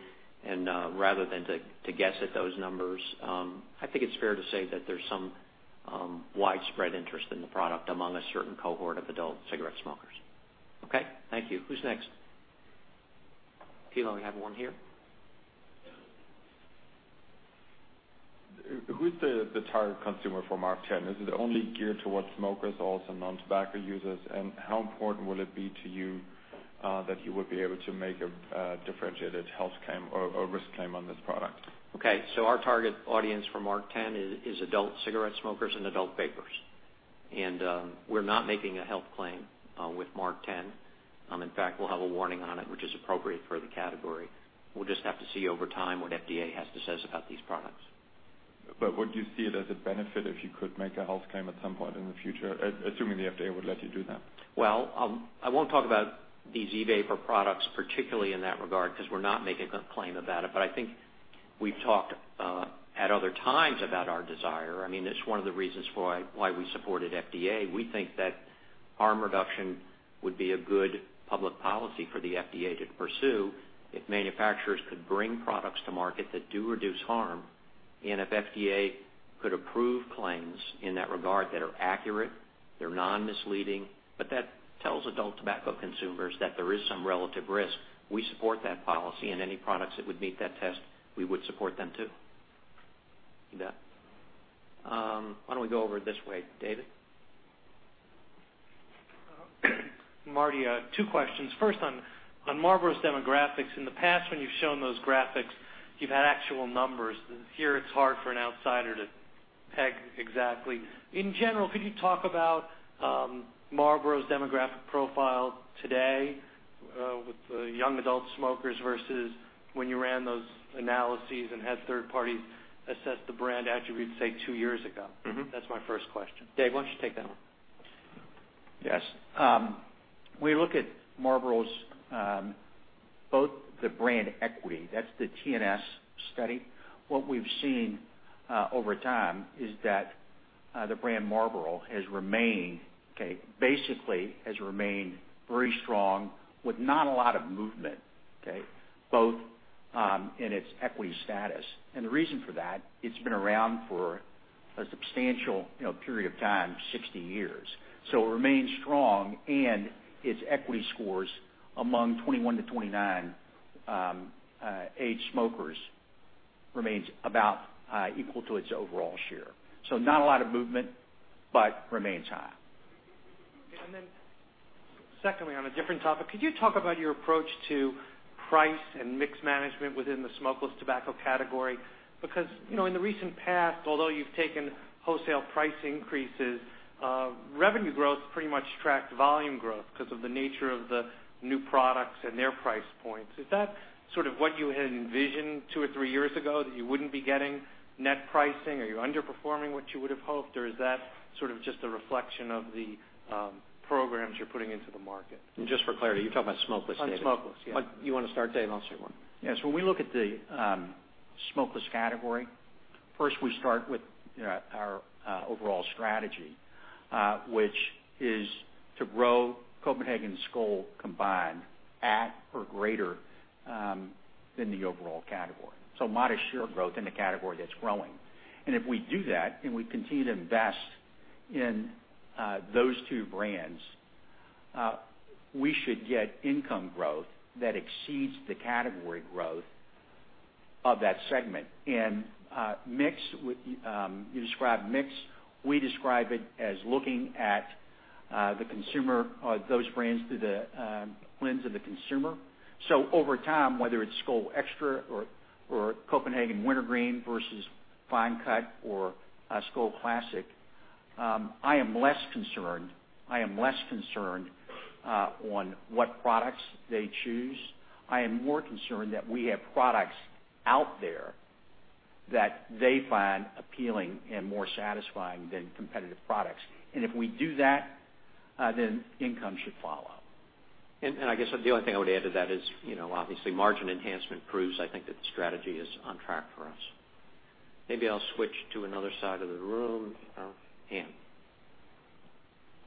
Rather than to guess at those numbers, I think it's fair to say that there's some widespread interest in the product among a certain cohort of adult cigarette smokers. Okay. Thank you. Who's next? Thilo, we have one here. Who's the target consumer for MarkTen? Is it only geared towards smokers, also non-tobacco users? How important will it be to you that you would be able to make a differentiated health claim or a risk claim on this product? Our target audience for MarkTen is adult cigarette smokers and adult vapers. We're not making a health claim with MarkTen. In fact, we'll have a warning on it, which is appropriate for the category. We'll just have to see over time what FDA has to say about these products. Would you see it as a benefit if you could make a health claim at some point in the future, assuming the FDA would let you do that? I won't talk about these e-vapor products, particularly in that regard, because we're not making a claim about it. I think we've talked at other times about our desire. It's one of the reasons why we supported FDA. We think that harm reduction would be a good public policy for the FDA to pursue if manufacturers could bring products to market that do reduce harm, and if FDA could approve claims in that regard that are accurate, they're non-misleading, but that tells adult tobacco consumers that there is some relative risk. We support that policy, any products that would meet that test, we would support them, too. Yeah. Why don't we go over this way? David? Marty, two questions. First, on Marlboro's demographics. In the past, when you've shown those graphics, you've had actual numbers. Here it's hard for an outsider to peg exactly. In general, could you talk about Marlboro's demographic profile today with young adult smokers versus when you ran those analyses and had third parties assess the brand attributes, say, two years ago? That's my first question. Dave, why don't you take that one? Yes. When you look at Marlboro's, both the brand equity, that's the TNS study. What we've seen over time is that the brand Marlboro basically has remained very strong with not a lot of movement, both in its equity status. The reason for that, it's been around for a substantial period of time, 60 years. It remains strong, and its equity scores among 21 to 29 age smokers remains about equal to its overall share. Not a lot of movement, but remains high. Secondly, on a different topic, could you talk about your approach to price and mix management within the smokeless tobacco category? Because, in the recent past, although you've taken wholesale price increases, revenue growth pretty much tracked volume growth because of the nature of the new products and their price points. Is that sort of what you had envisioned two or three years ago, that you wouldn't be getting net pricing? Are you underperforming what you would've hoped, or is that sort of just a reflection of the programs you're putting into the market? Just for clarity, you're talking about smokeless, David. On smokeless, yeah. You want to start, Dave? I'll say one. Yes. When we look at the smokeless category, first we start with our overall strategy, which is to grow Copenhagen Skoal combined at or greater than the overall category. Modest share growth in the category that's growing. If we do that, and we continue to invest in those two brands, we should get income growth that exceeds the category growth of that segment. You describe mix, we describe it as looking at those brands through the lens of the consumer. Over time, whether it's Skoal X-tra or Copenhagen Wintergreen versus Fine Cut or Skoal Classic, I am less concerned on what products they choose. I am more concerned that we have products out there that they find appealing and more satisfying than competitive products. If we do that, then income should follow. I guess the only thing I would add to that is, obviously, margin enhancement proves, I think, that the strategy is on track for us. Maybe I'll switch to another side of the room. Anne.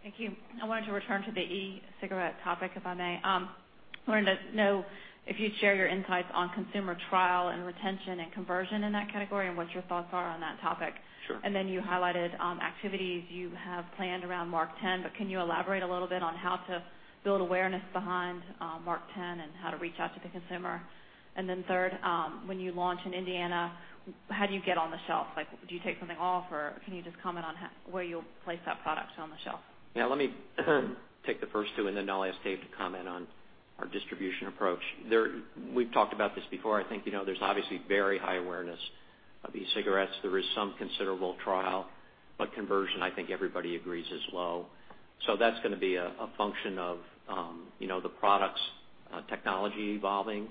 Thank you. I wanted to return to the e-cigarette topic, if I may. I wanted to know if you'd share your insights on consumer trial and retention and conversion in that category, and what your thoughts are on that topic. Sure. You highlighted activities you have planned around MarkTen, but can you elaborate a little bit on how to build awareness behind MarkTen and how to reach out to the consumer? Third, when you launch in Indiana, how do you get on the shelf? Do you take something off, or can you just comment on where you'll place that product on the shelf? Yeah, let me take the first two, then I'll ask Dave to comment on our distribution approach. We've talked about this before. I think there's obviously very high awareness of e-cigarettes. There is some considerable trial, conversion, I think everybody agrees, is low. That's going to be a function of the product's technology evolving.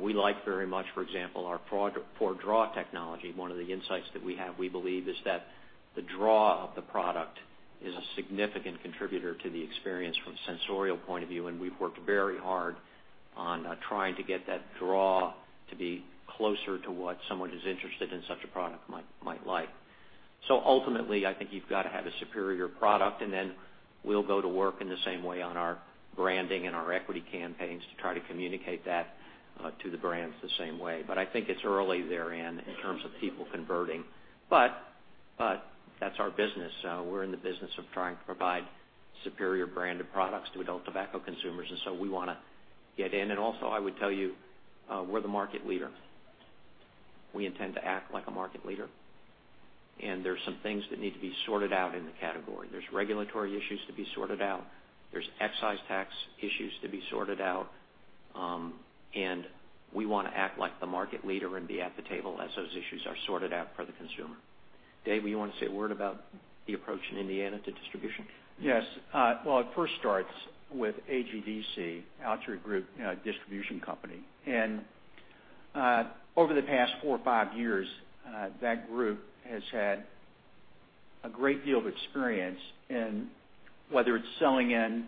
We like very much, for example, our Four Draw technology. One of the insights that we have, we believe, is that the draw of the product is a significant contributor to the experience from a sensorial point of view, we've worked very hard on trying to get that draw to be closer to what someone who's interested in such a product might like. Ultimately, I think you've got to have a superior product, then we'll go to work in the same way on our branding and our equity campaigns to try to communicate that to the brands the same way. I think it's early therein in terms of people converting. That's our business. We're in the business of trying to provide superior brand of products to adult tobacco consumers. We want to get in. Also, I would tell you, we're the market leader. We intend to act like a market leader, there's some things that need to be sorted out in the category. There's regulatory issues to be sorted out. There's excise tax issues to be sorted out. We want to act like the market leader and be at the table as those issues are sorted out for the consumer. Dave, you want to say a word about the approach in Indiana to distribution? Yes. Well, it first starts with AGDC, Altria Group Distribution Company. Over the past four or five years, that group has had a great deal of experience in whether it's selling in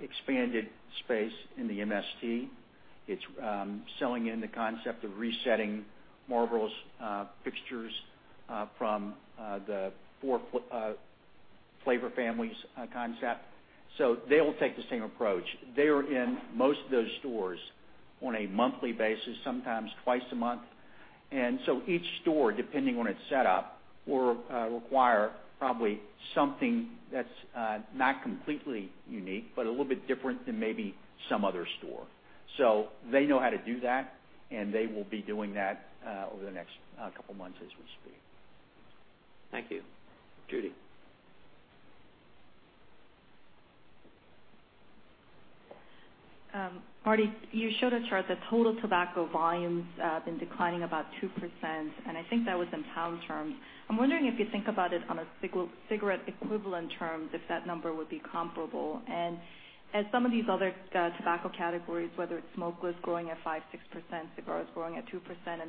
expanded space in the MST, it's selling in the concept of resetting Marlboro's fixtures from the four flavor families concept. They'll take the same approach. They are in most of those stores on a monthly basis, sometimes twice a month. Each store, depending on its setup, will require probably something that's not completely unique, a little bit different than maybe some other store. They know how to do that, they will be doing that over the next couple of months as we speak. Thank you. Judy. Marty, you showed a chart that total tobacco volumes have been declining about 2%, I think that was in pound terms. I'm wondering if you think about it on a cigarette equivalent term, if that number would be comparable. As some of these other tobacco categories, whether it's smokeless growing at 5%-6%, cigars growing at 2%,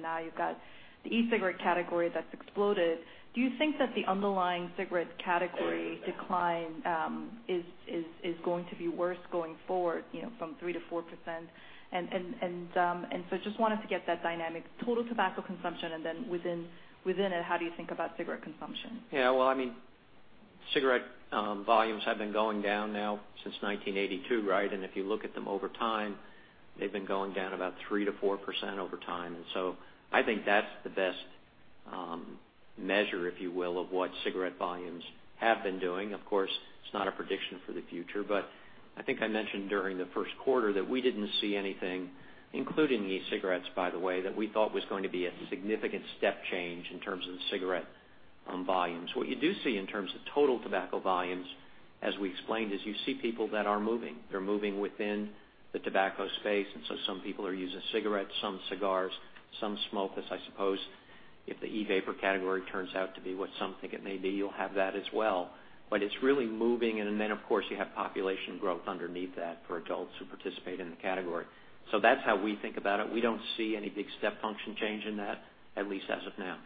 now you've got the e-cigarette category that's exploded, do you think that the underlying cigarette category decline is going to be worse going forward from 3% to 4%? I just wanted to get that dynamic total tobacco consumption, then within it, how do you think about cigarette consumption? Yeah. Cigarette volumes have been going down now since 1982, right? If you look at them over time, they've been going down about 3% to 4% over time. I think that's the best measure, if you will, of what cigarette volumes have been doing. Of course, it's not a prediction for the future, but I think I mentioned during the first quarter that we didn't see anything, including e-cigarettes, by the way, that we thought was going to be a significant step change in terms of cigarette volumes. What you do see in terms of total tobacco volumes, as we explained, is you see people that are moving. They're moving within the tobacco space, and so some people are using cigarettes, some cigars, some smokeless. I suppose if the e-vapor category turns out to be what some think it may be, you'll have that as well. It's really moving, and then of course, you have population growth underneath that for adults who participate in the category. That's how we think about it. We don't see any big step function change in that, at least as of now.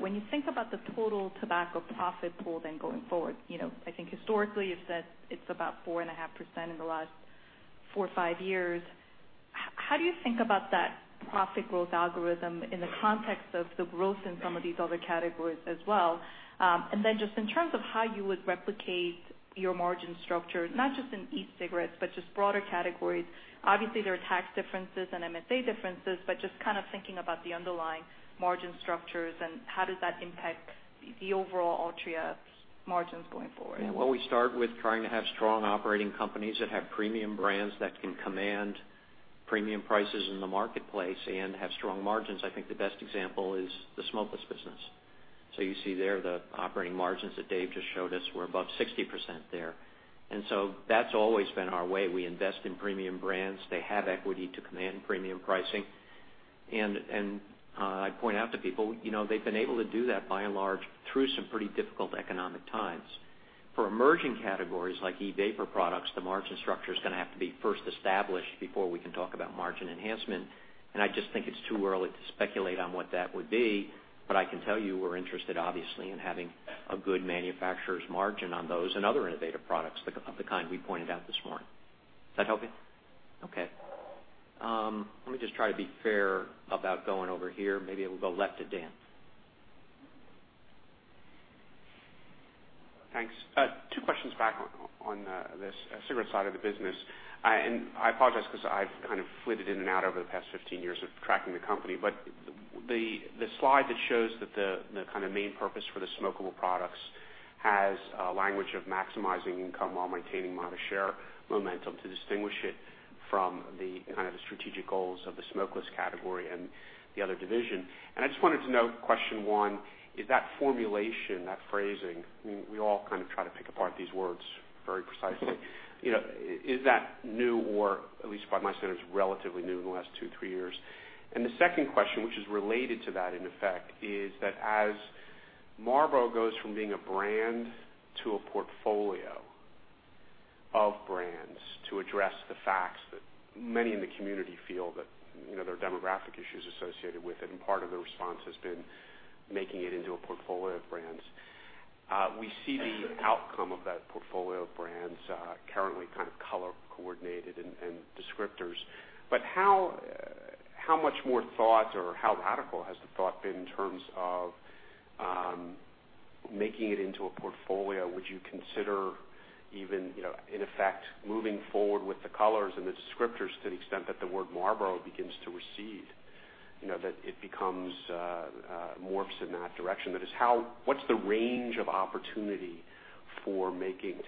When you think about the total tobacco profit pool going forward, I think historically you've said it's about 4.5% in the last four or five years. How do you think about that profit growth algorithm in the context of the growth in some of these other categories as well? In terms of how you would replicate your margin structure, not just in e-cigarettes, but just broader categories. Obviously, there are tax differences and MSA differences, but just kind of thinking about the underlying margin structures and how does that impact the overall Altria margins going forward? Well, we start with trying to have strong operating companies that have premium brands that can command premium prices in the marketplace and have strong margins. I think the best example is the smokeless business. You see there the operating margins that Dave just showed us were above 60% there. That's always been our way. We invest in premium brands. They have equity to command premium pricing. I point out to people, they've been able to do that by and large, through some pretty difficult economic times. For emerging categories like e-vapor products, the margin structure's going to have to be first established before we can talk about margin enhancement. I just think it's too early to speculate on what that would be. I can tell you we're interested, obviously, in having a good manufacturer's margin on those and other innovative products of the kind we pointed out this morning. Does that help you? Okay. Let me just try to be fair about going over here. Maybe it'll go left to Dan. Thanks. Two questions back on the cigarette side of the business. I apologize because I've kind of flitted in and out over the past 15 years of tracking the company. The slide that shows that the kind of main purpose for the smokable products has a language of maximizing income while maintaining market share momentum to distinguish it from the kind of strategic goals of the smokeless category and the other division. I just wanted to note, question one, is that formulation, that phrasing, we all kind of try to pick apart these words very precisely. Is that new, or at least by my standards, relatively new in the last two, three years? The second question, which is related to that in effect, is that as Marlboro goes from being a brand to a portfolio of brands to address the facts that many in the community feel that there are demographic issues associated with it, part of the response has been making it into a portfolio of brands. We see the outcome of that portfolio of brands currently kind of color coordinated and descriptors. How much more thought or how radical has the thought been in terms of making it into a portfolio? Would you consider even, in effect, moving forward with the colors and the descriptors to the extent that the word Marlboro begins to recede? That it morphs in that direction. What's the range of opportunity for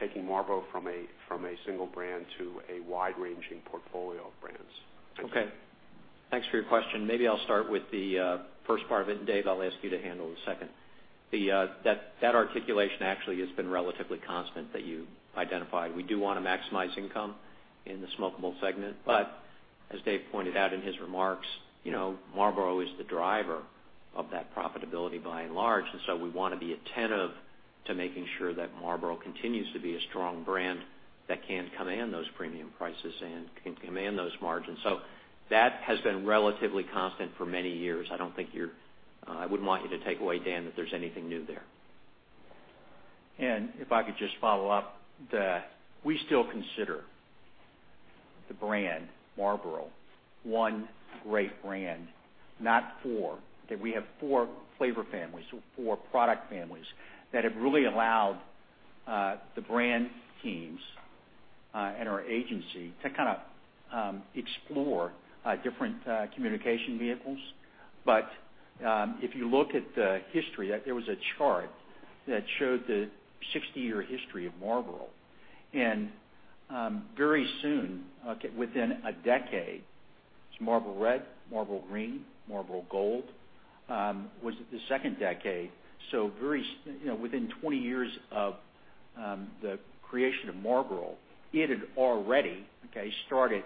taking Marlboro from a single brand to a wide-ranging portfolio of brands? Okay. Thanks for your question. Maybe I'll start with the first part of it, Dave, I'll ask you to handle the second. That articulation actually has been relatively constant that you identified. We do want to maximize income in the smokeable segment. As Dave pointed out in his remarks, Marlboro is the driver of that profitability by and large. We want to be attentive to making sure that Marlboro continues to be a strong brand that can command those premium prices and can command those margins. That has been relatively constant for many years. I wouldn't want you to take away, Dan, that there's anything new there. If I could just follow up that we still consider the brand Marlboro one great brand, not four. That we have four flavor families, four product families that have really allowed the brand teams and our agency to kind of explore different communication vehicles. If you look at the history, there was a chart that showed the 60-year history of Marlboro. Very soon, within a decade, there's Marlboro Red, Marlboro Green, Marlboro Gold was at the second decade. Within 20 years of the creation of Marlboro, it had already, okay, started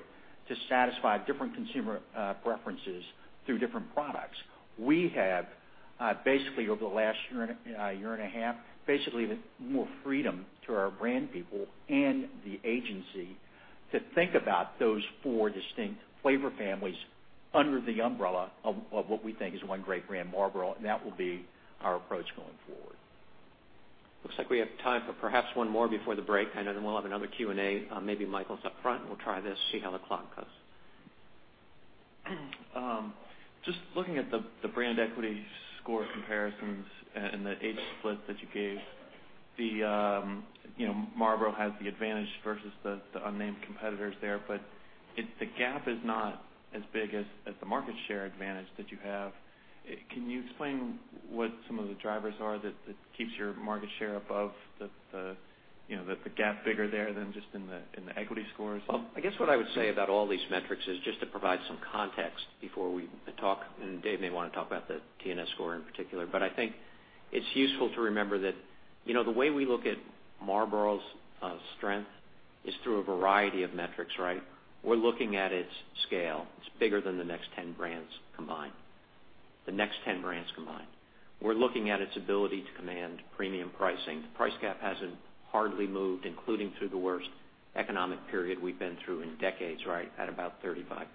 to satisfy different consumer preferences through different products. We have basically over the last year and a half, basically more freedom to our brand people and the agency to think about those four distinct flavor families under the umbrella of what we think is one great brand, Marlboro. That will be our approach going forward. Looks like we have time for perhaps one more before the break, and then we'll have another Q&A. Maybe Michael's up front, and we'll try this, see how the clock goes. Just looking at the brand equity score comparisons and the age split that you gave. Marlboro has the advantage versus the unnamed competitors there, the gap is not as big as the market share advantage that you have. Can you explain what some of the drivers are that keeps your market share above the gap figure there than just in the equity scores? Well, I guess what I would say about all these metrics is just to provide some context before we talk, and Dave may want to talk about the TNS score in particular. I think it's useful to remember that the way we look at Marlboro's strength is through a variety of metrics, right? We're looking at its scale. It's bigger than the next 10 brands combined. We're looking at its ability to command premium pricing. The price gap hasn't hardly moved, including through the worst economic period we've been through in decades, right at about 35%.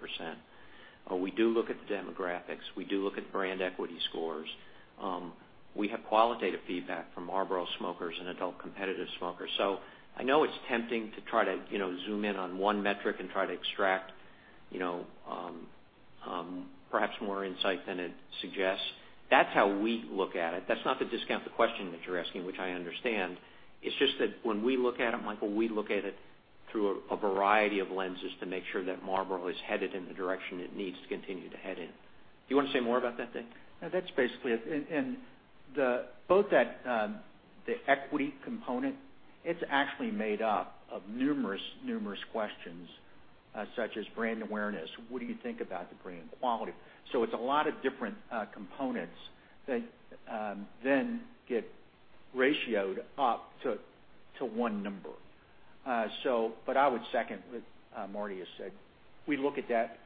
We do look at the demographics. We do look at brand equity scores. We have qualitative feedback from Marlboro smokers and adult competitive smokers. I know it's tempting to try to zoom in on one metric and try to extract perhaps more insight than it suggests. That's how we look at it. That's not to discount the question that you're asking, which I understand. It's just that when we look at it, Michael, we look at it through a variety of lenses to make sure that Marlboro is headed in the direction it needs to continue to head in. Do you want to say more about that, Dave? No, that's basically it. Both the equity component, it's actually made up of numerous questions, such as brand awareness. What do you think about the brand quality? It's a lot of different components that then get ratioed up to one number. I would second what Marty has said. We look at that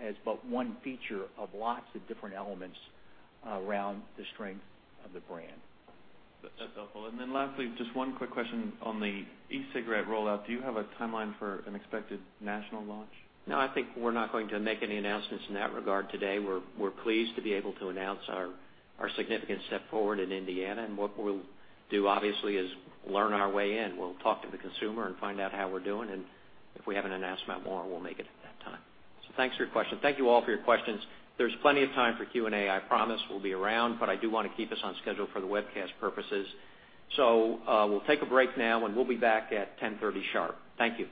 as but one feature of lots of different elements around the strength of the brand. That's helpful. Lastly, just one quick question on the e-cigarette rollout. Do you have a timeline for an expected national launch? No, I think we're not going to make any announcements in that regard today. We're pleased to be able to announce our significant step forward in Indiana. What we'll do, obviously, is learn our way in. We'll talk to the consumer and find out how we're doing, and if we have an announcement more, we'll make it at that time. Thanks for your question. Thank you all for your questions. There's plenty of time for Q&A. I promise we'll be around, but I do want to keep us on schedule for the webcast purposes. We'll take a break now, and we'll be back at 10:30 sharp. Thank you.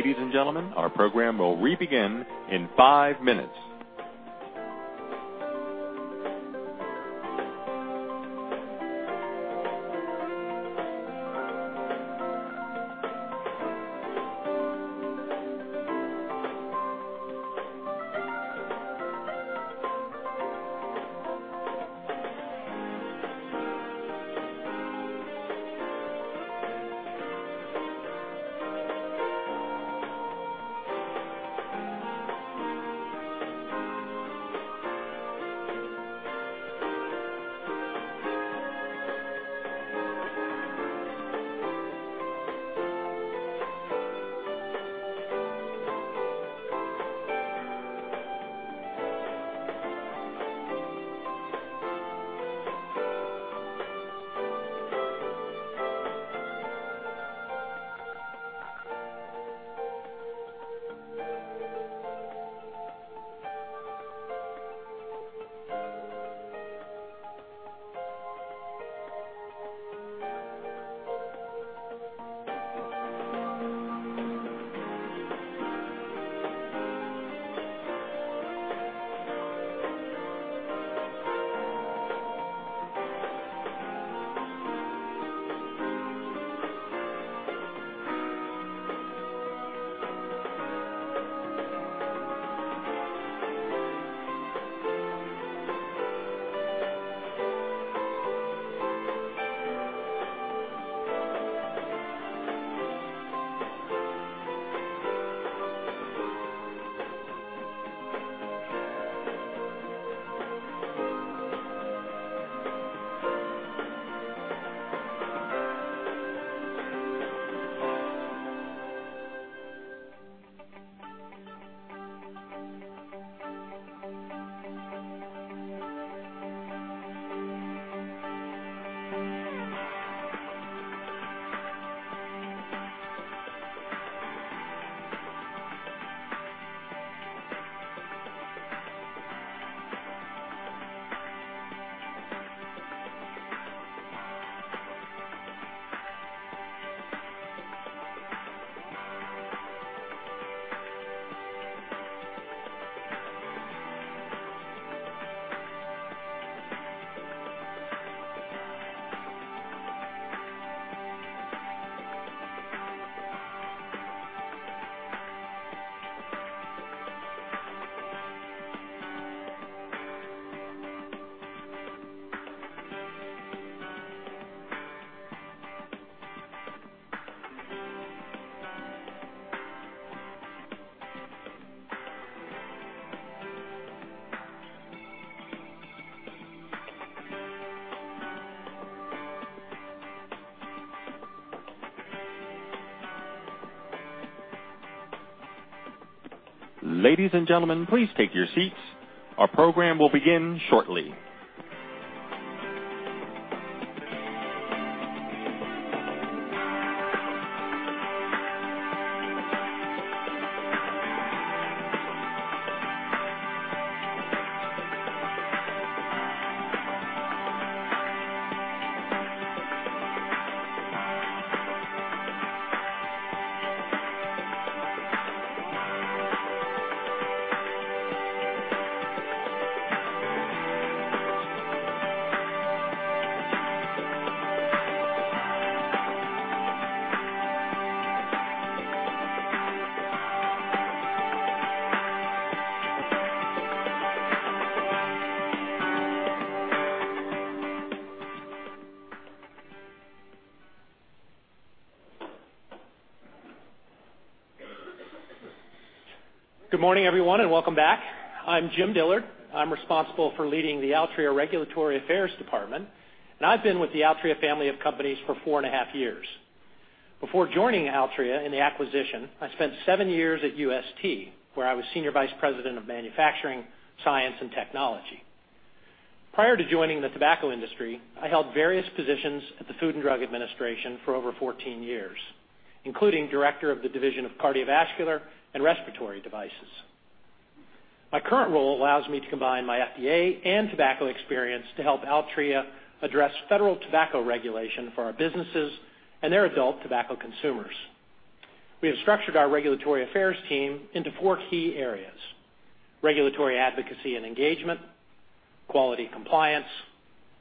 Ladies and gentlemen, our program will re-begin in five minutes. Ladies and gentlemen, please take your seats. Our program will begin shortly. Good morning, everyone, and welcome back. I'm Jim Dillard. I'm responsible for leading the Altria Regulatory Affairs Department, and I've been with the Altria family of companies for four and a half years. Before joining Altria in the acquisition, I spent seven years at UST, where I was Senior Vice President of manufacturing, science, and technology. Prior to joining the tobacco industry, I held various positions at the Food and Drug Administration for over 14 years, including Director of the Division of Cardiovascular and Respiratory Devices. My current role allows me to combine my FDA and tobacco experience to help Altria address federal tobacco regulation for our businesses and their adult tobacco consumers. We have structured our regulatory affairs team into four key areas: regulatory advocacy and engagement, quality compliance,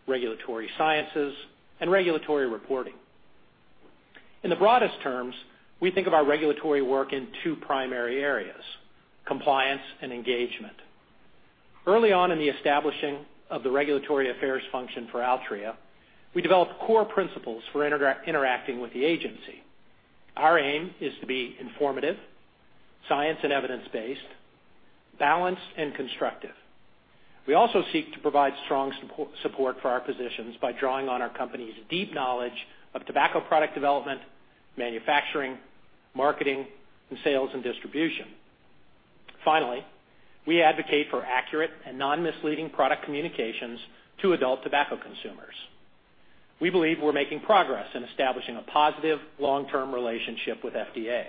regulatory sciences, and regulatory reporting. In the broadest terms, we think of our regulatory work in two primary areas, compliance and engagement. Early on in the establishing of the regulatory affairs function for Altria, we developed core principles for interacting with the agency. Our aim is to be informative, science and evidence-based, balanced, and constructive. We also seek to provide strong support for our positions by drawing on our company's deep knowledge of tobacco product development, manufacturing, marketing, and sales and distribution. We advocate for accurate and non-misleading product communications to adult tobacco consumers. We believe we're making progress in establishing a positive long-term relationship with FDA.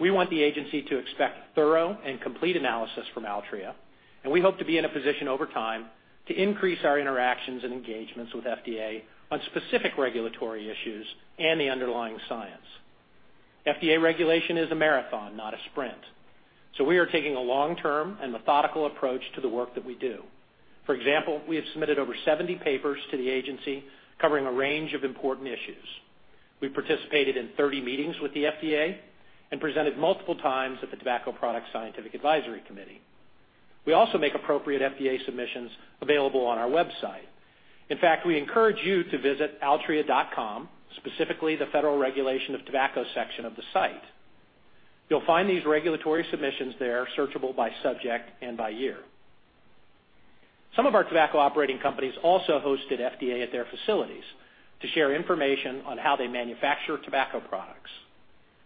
We want the agency to expect thorough and complete analysis from Altria, and we hope to be in a position over time to increase our interactions and engagements with FDA on specific regulatory issues and the underlying science. FDA regulation is a marathon, not a sprint. We are taking a long-term and methodical approach to the work that we do. For example, we have submitted over 70 papers to the agency covering a range of important issues. We participated in 30 meetings with the FDA and presented multiple times at the Tobacco Products Scientific Advisory Committee. We also make appropriate FDA submissions available on our website. In fact, we encourage you to visit altria.com, specifically the Federal Regulation of Tobacco section of the site. You'll find these regulatory submissions there searchable by subject and by year. Some of our tobacco operating companies also hosted FDA at their facilities to share information on how they manufacture tobacco products.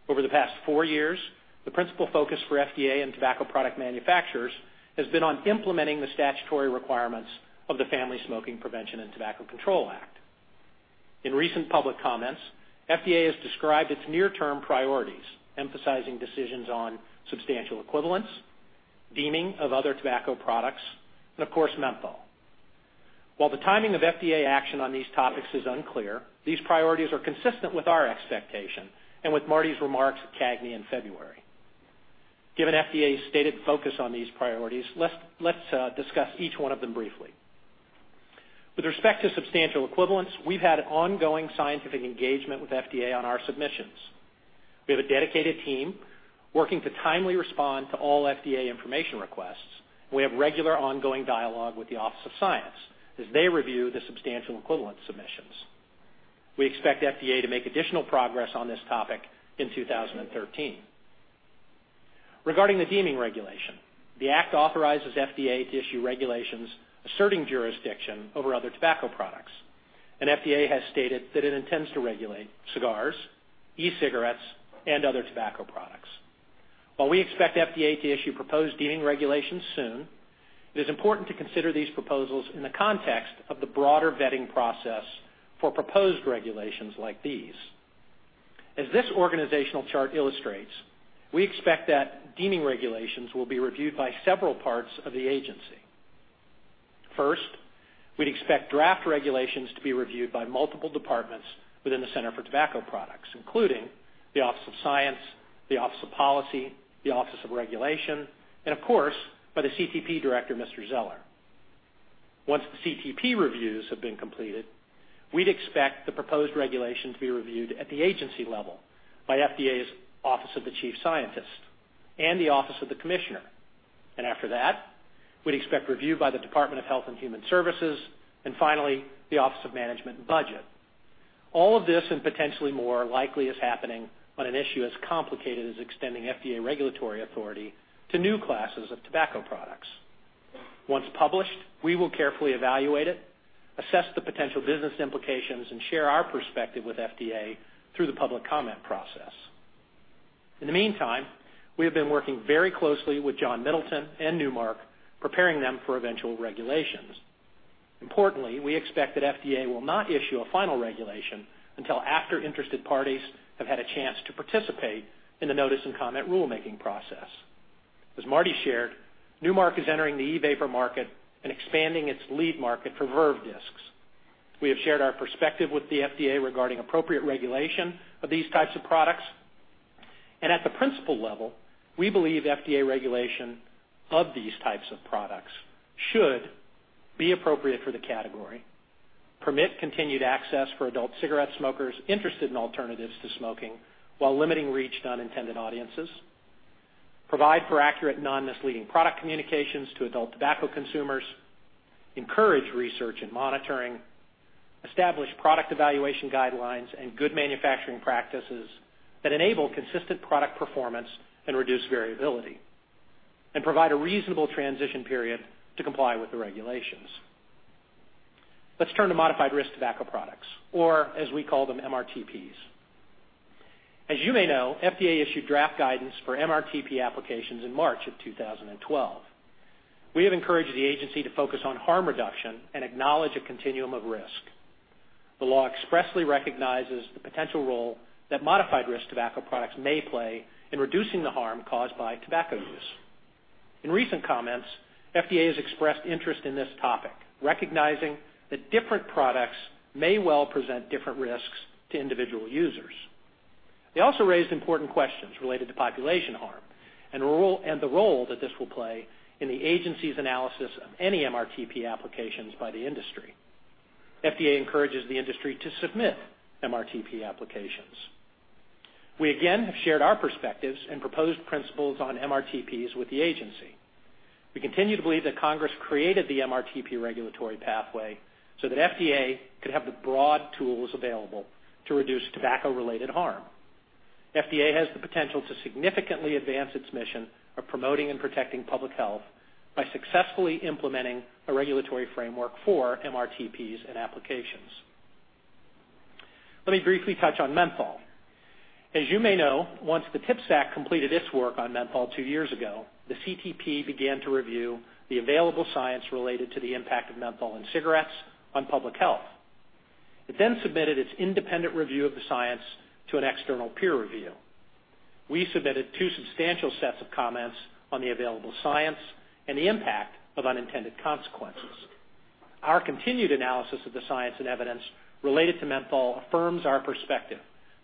Over the past four years, the principal focus for FDA and tobacco product manufacturers has been on implementing the statutory requirements of the Family Smoking Prevention and Tobacco Control Act. In recent public comments, FDA has described its near-term priorities, emphasizing decisions on substantial equivalence, deeming of other tobacco products, and of course, menthol. While the timing of FDA action on these topics is unclear, these priorities are consistent with our expectation and with Marty's remarks at CAGNY in February. Given FDA's stated focus on these priorities, let's discuss each one of them briefly. With respect to substantial equivalence, we've had ongoing scientific engagement with FDA on our submissions. We have a dedicated team working to timely respond to all FDA information requests. We have regular ongoing dialogue with the Office of Science as they review the substantial equivalence submissions. We expect FDA to make additional progress on this topic in 2013. Regarding the deeming regulation, the act authorizes FDA to issue regulations asserting jurisdiction over other tobacco products, and FDA has stated that it intends to regulate cigars, e-cigarettes, and other tobacco products. While we expect FDA to issue proposed deeming regulations soon, it is important to consider these proposals in the context of the broader vetting process for proposed regulations like these. As this organizational chart illustrates, we expect that deeming regulations will be reviewed by several parts of the agency. First, we'd expect draft regulations to be reviewed by multiple departments within the Center for Tobacco Products, including the Office of Science, the Office of Policy, the Office of Regulation, and of course, by the CTP director, Mr. Zeller. Once the CTP reviews have been completed, we'd expect the proposed regulation to be reviewed at the agency level by FDA's Office of the Chief Scientist and the Office of the Commissioner. After that, we'd expect review by the Department of Health and Human Services, and finally, the Office of Management and Budget. All of this and potentially more likely is happening on an issue as complicated as extending FDA regulatory authority to new classes of tobacco products. Once published, we will carefully evaluate it, assess the potential business implications, and share our perspective with FDA through the public comment process. In the meantime, we have been working very closely with John Middleton and Nu Mark, preparing them for eventual regulations. Importantly, we expect that FDA will not issue a final regulation until after interested parties have had a chance to participate in the notice and comment rulemaking process. As Marty shared, Nu Mark is entering the e-vapor market and expanding its lead market for Verve discs. We have shared our perspective with the FDA regarding appropriate regulation of these types of products. At the principle level, we believe FDA regulation of these types of products should be appropriate for the category, permit continued access for adult cigarette smokers interested in alternatives to smoking while limiting reach to unintended audiences, provide for accurate, non-misleading product communications to adult tobacco consumers, encourage research and monitoring, establish product evaluation guidelines and good manufacturing practices that enable consistent product performance and reduce variability, and provide a reasonable transition period to comply with the regulations. Let's turn to modified risk tobacco products, or as we call them, MRTPs. As you may know, FDA issued draft guidance for MRTP applications in March of 2012. We have encouraged the agency to focus on harm reduction and acknowledge a continuum of risk. The law expressly recognizes the potential role that modified risk tobacco products may play in reducing the harm caused by tobacco use. In recent comments, FDA has expressed interest in this topic, recognizing that different products may well present different risks to individual users. They also raised important questions related to population harm and the role that this will play in the agency's analysis of any MRTP applications by the industry. FDA encourages the industry to submit MRTP applications. We again have shared our perspectives and proposed principles on MRTPs with the agency. We continue to believe that Congress created the MRTP regulatory pathway so that FDA could have the broad tools available to reduce tobacco-related harm. FDA has the potential to significantly advance its mission of promoting and protecting public health by successfully implementing a regulatory framework for MRTPs and applications. Let me briefly touch on menthol. As you may know, once the TPSAC completed its work on menthol two years ago, the CTP began to review the available science related to the impact of menthol in cigarettes on public health. It then submitted its independent review of the science to an external peer review. We submitted two substantial sets of comments on the available science and the impact of unintended consequences. Our continued analysis of the science and evidence related to menthol affirms our perspective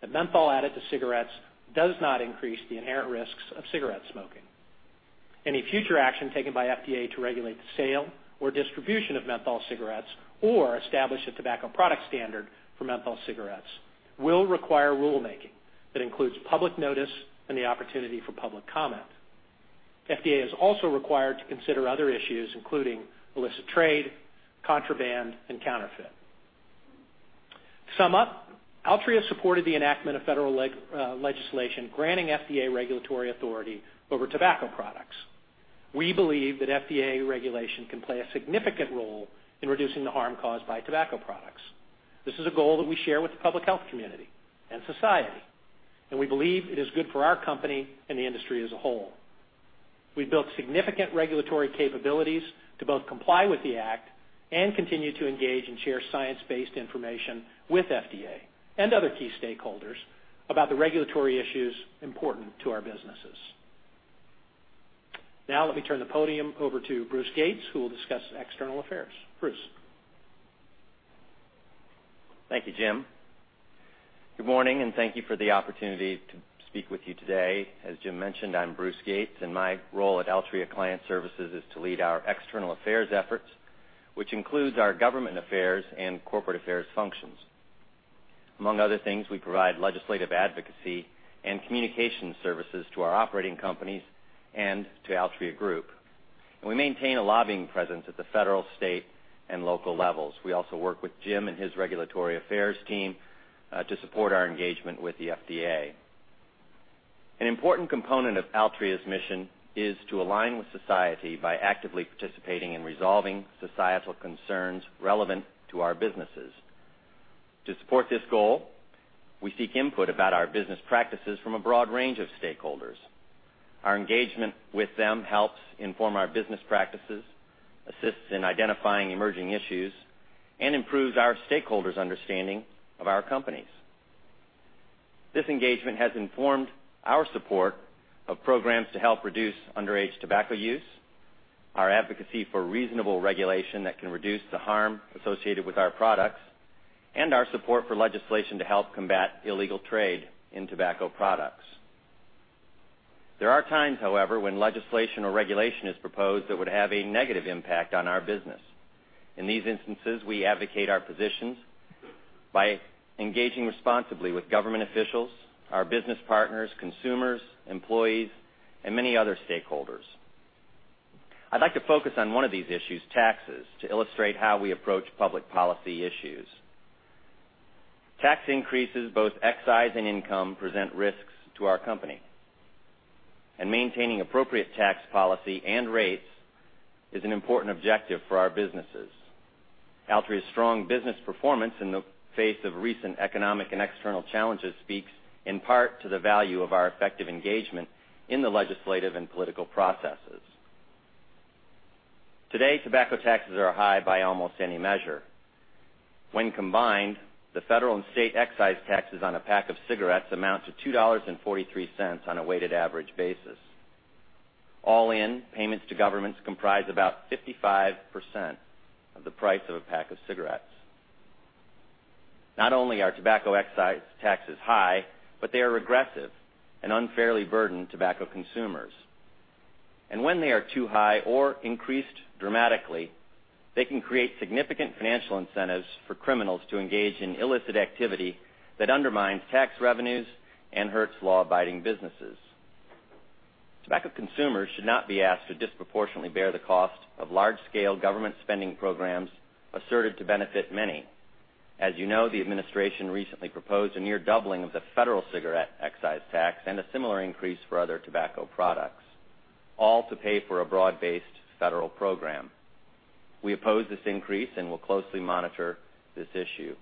that menthol added to cigarettes does not increase the inherent risks of cigarette smoking. Any future action taken by FDA to regulate the sale or distribution of menthol cigarettes or establish a tobacco product standard for menthol cigarettes will require rulemaking that includes public notice and the opportunity for public comment. FDA is also required to consider other issues, including illicit trade, contraband, and counterfeit. To sum up, Altria supported the enactment of federal legislation granting FDA regulatory authority over tobacco products. We believe that FDA regulation can play a significant role in reducing the harm caused by tobacco products. This is a goal that we share with the public health community and society, and we believe it is good for our company and the industry as a whole. We've built significant regulatory capabilities to both comply with the act and continue to engage and share science-based information with FDA and other key stakeholders about the regulatory issues important to our businesses. Now let me turn the podium over to Bruce Gates, who will discuss external affairs. Bruce. Thank you, Jim. Good morning, and thank you for the opportunity to speak with you today. As Jim mentioned, I'm Bruce Gates, and my role at Altria Client Services is to lead our external affairs efforts, which includes our government affairs and corporate affairs functions. Among other things, we provide legislative advocacy and communication services to our operating companies and to Altria Group. We maintain a lobbying presence at the federal, state, and local levels. We also work with Jim and his regulatory affairs team to support our engagement with the FDA. An important component of Altria's mission is to align with society by actively participating and resolving societal concerns relevant to our businesses. To support this goal, we seek input about our business practices from a broad range of stakeholders. Our engagement with them helps inform our business practices, assists in identifying emerging issues, and improves our stakeholders' understanding of our companies. This engagement has informed our support of programs to help reduce underage tobacco use, our advocacy for reasonable regulation that can reduce the harm associated with our products, and our support for legislation to help combat illegal trade in tobacco products. There are times, however, when legislation or regulation is proposed that would have a negative impact on our business. In these instances, we advocate our positions by engaging responsibly with government officials, our business partners, consumers, employees, and many other stakeholders. I'd like to focus on one of these issues, taxes, to illustrate how we approach public policy issues. Tax increases, both excise and income, present risks to our company. Maintaining appropriate tax policy and rates is an important objective for our businesses. Altria's strong business performance in the face of recent economic and external challenges speaks in part to the value of our effective engagement in the legislative and political processes. Today, tobacco taxes are high by almost any measure. When combined, the federal and state excise taxes on a pack of cigarettes amount to $2.43 on a weighted average basis. All in, payments to governments comprise about 55% of the price of a pack of cigarettes. Not only are tobacco excise taxes high, but they are regressive and unfairly burden tobacco consumers. When they are too high or increased dramatically, they can create significant financial incentives for criminals to engage in illicit activity that undermines tax revenues and hurts law-abiding businesses. Tobacco consumers should not be asked to disproportionately bear the cost of large-scale government spending programs asserted to benefit many. As you know, the administration recently proposed a near doubling of the federal cigarette excise tax and a similar increase for other tobacco products, all to pay for a broad-based federal program. We oppose this increase and will closely monitor this issue.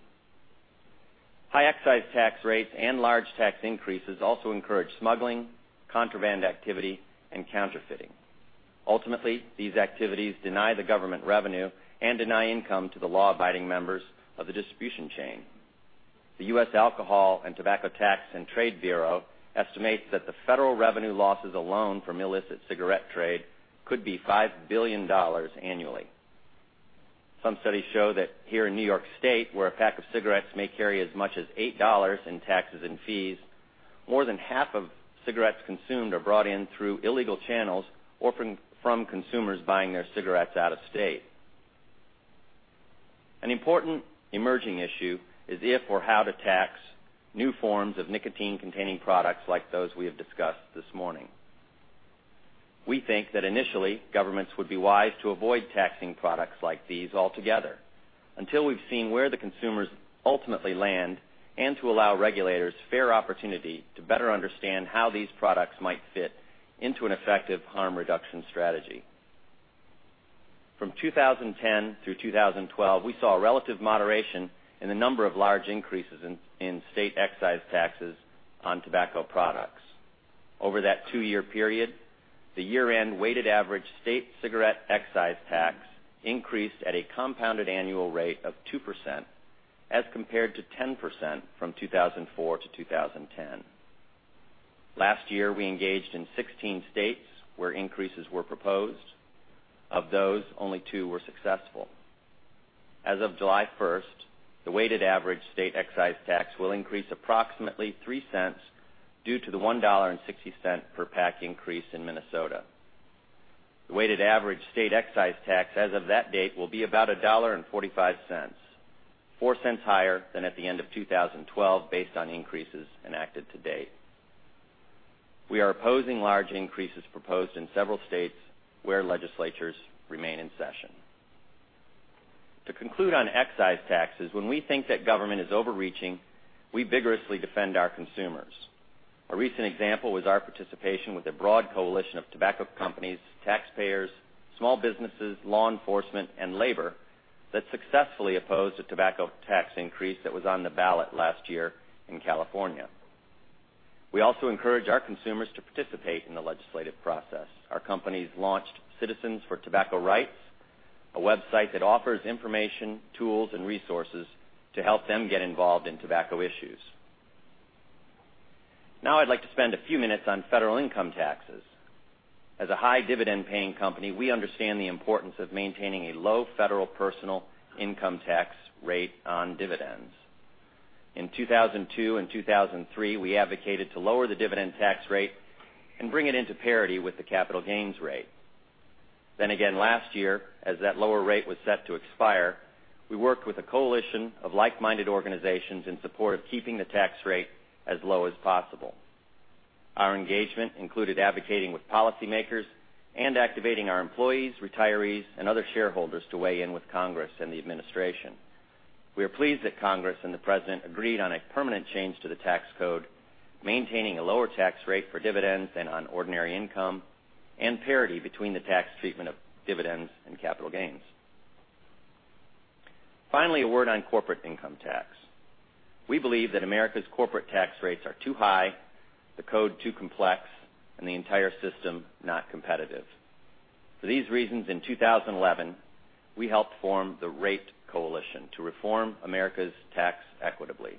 High excise tax rates and large tax increases also encourage smuggling, contraband activity, and counterfeiting. Ultimately, these activities deny the government revenue and deny income to the law-abiding members of the distribution chain. The Alcohol and Tobacco Tax and Trade Bureau estimates that the federal revenue losses alone from illicit cigarette trade could be $5 billion annually. Some studies show that here in New York State, where a pack of cigarettes may carry as much as $8 in taxes and fees, more than half of cigarettes consumed are brought in through illegal channels or from consumers buying their cigarettes out of state. An important emerging issue is if or how to tax new forms of nicotine-containing products like those we have discussed this morning. We think that initially, governments would be wise to avoid taxing products like these altogether until we've seen where the consumers ultimately land and to allow regulators fair opportunity to better understand how these products might fit into an effective harm reduction strategy. From 2010 through 2012, we saw a relative moderation in the number of large increases in state excise taxes on tobacco products. Over that two-year period, the year-end weighted average state cigarette excise tax increased at a compounded annual rate of 2% as compared to 10% from 2004 to 2010. Last year, we engaged in 16 states where increases were proposed. Of those, only two were successful. As of July 1st, the weighted average state excise tax will increase approximately $0.03 due to the $1.60 per pack increase in Minnesota. The weighted average state excise tax as of that date will be about $1.45, $0.04 higher than at the end of 2012, based on increases enacted to date. We are opposing large increases proposed in several states where legislatures remain in session. To conclude on excise taxes, when we think that government is overreaching, we vigorously defend our consumers. A recent example was our participation with a broad coalition of tobacco companies, taxpayers, small businesses, law enforcement, and labor that successfully opposed a tobacco tax increase that was on the ballot last year in California. We also encourage our consumers to participate in the legislative process. Our companies launched Citizens for Tobacco Rights, a website that offers information, tools, and resources to help them get involved in tobacco issues. I'd like to spend a few minutes on federal income taxes. As a high dividend paying company, we understand the importance of maintaining a low federal personal income tax rate on dividends. In 2002 and 2003, we advocated to lower the dividend tax rate and bring it into parity with the capital gains rate. Again last year, as that lower rate was set to expire, we worked with a coalition of like-minded organizations in support of keeping the tax rate as low as possible. Our engagement included advocating with policymakers and activating our employees, retirees, and other shareholders to weigh in with Congress and the administration. We are pleased that Congress and the President agreed on a permanent change to the tax code, maintaining a lower tax rate for dividends than on ordinary income and parity between the tax treatment of dividends and capital gains. Finally, a word on corporate income tax. We believe that America's corporate tax rates are too high, the code too complex, and the entire system not competitive. For these reasons, in 2011, we helped form the RATE Coalition to reform America's tax equitably.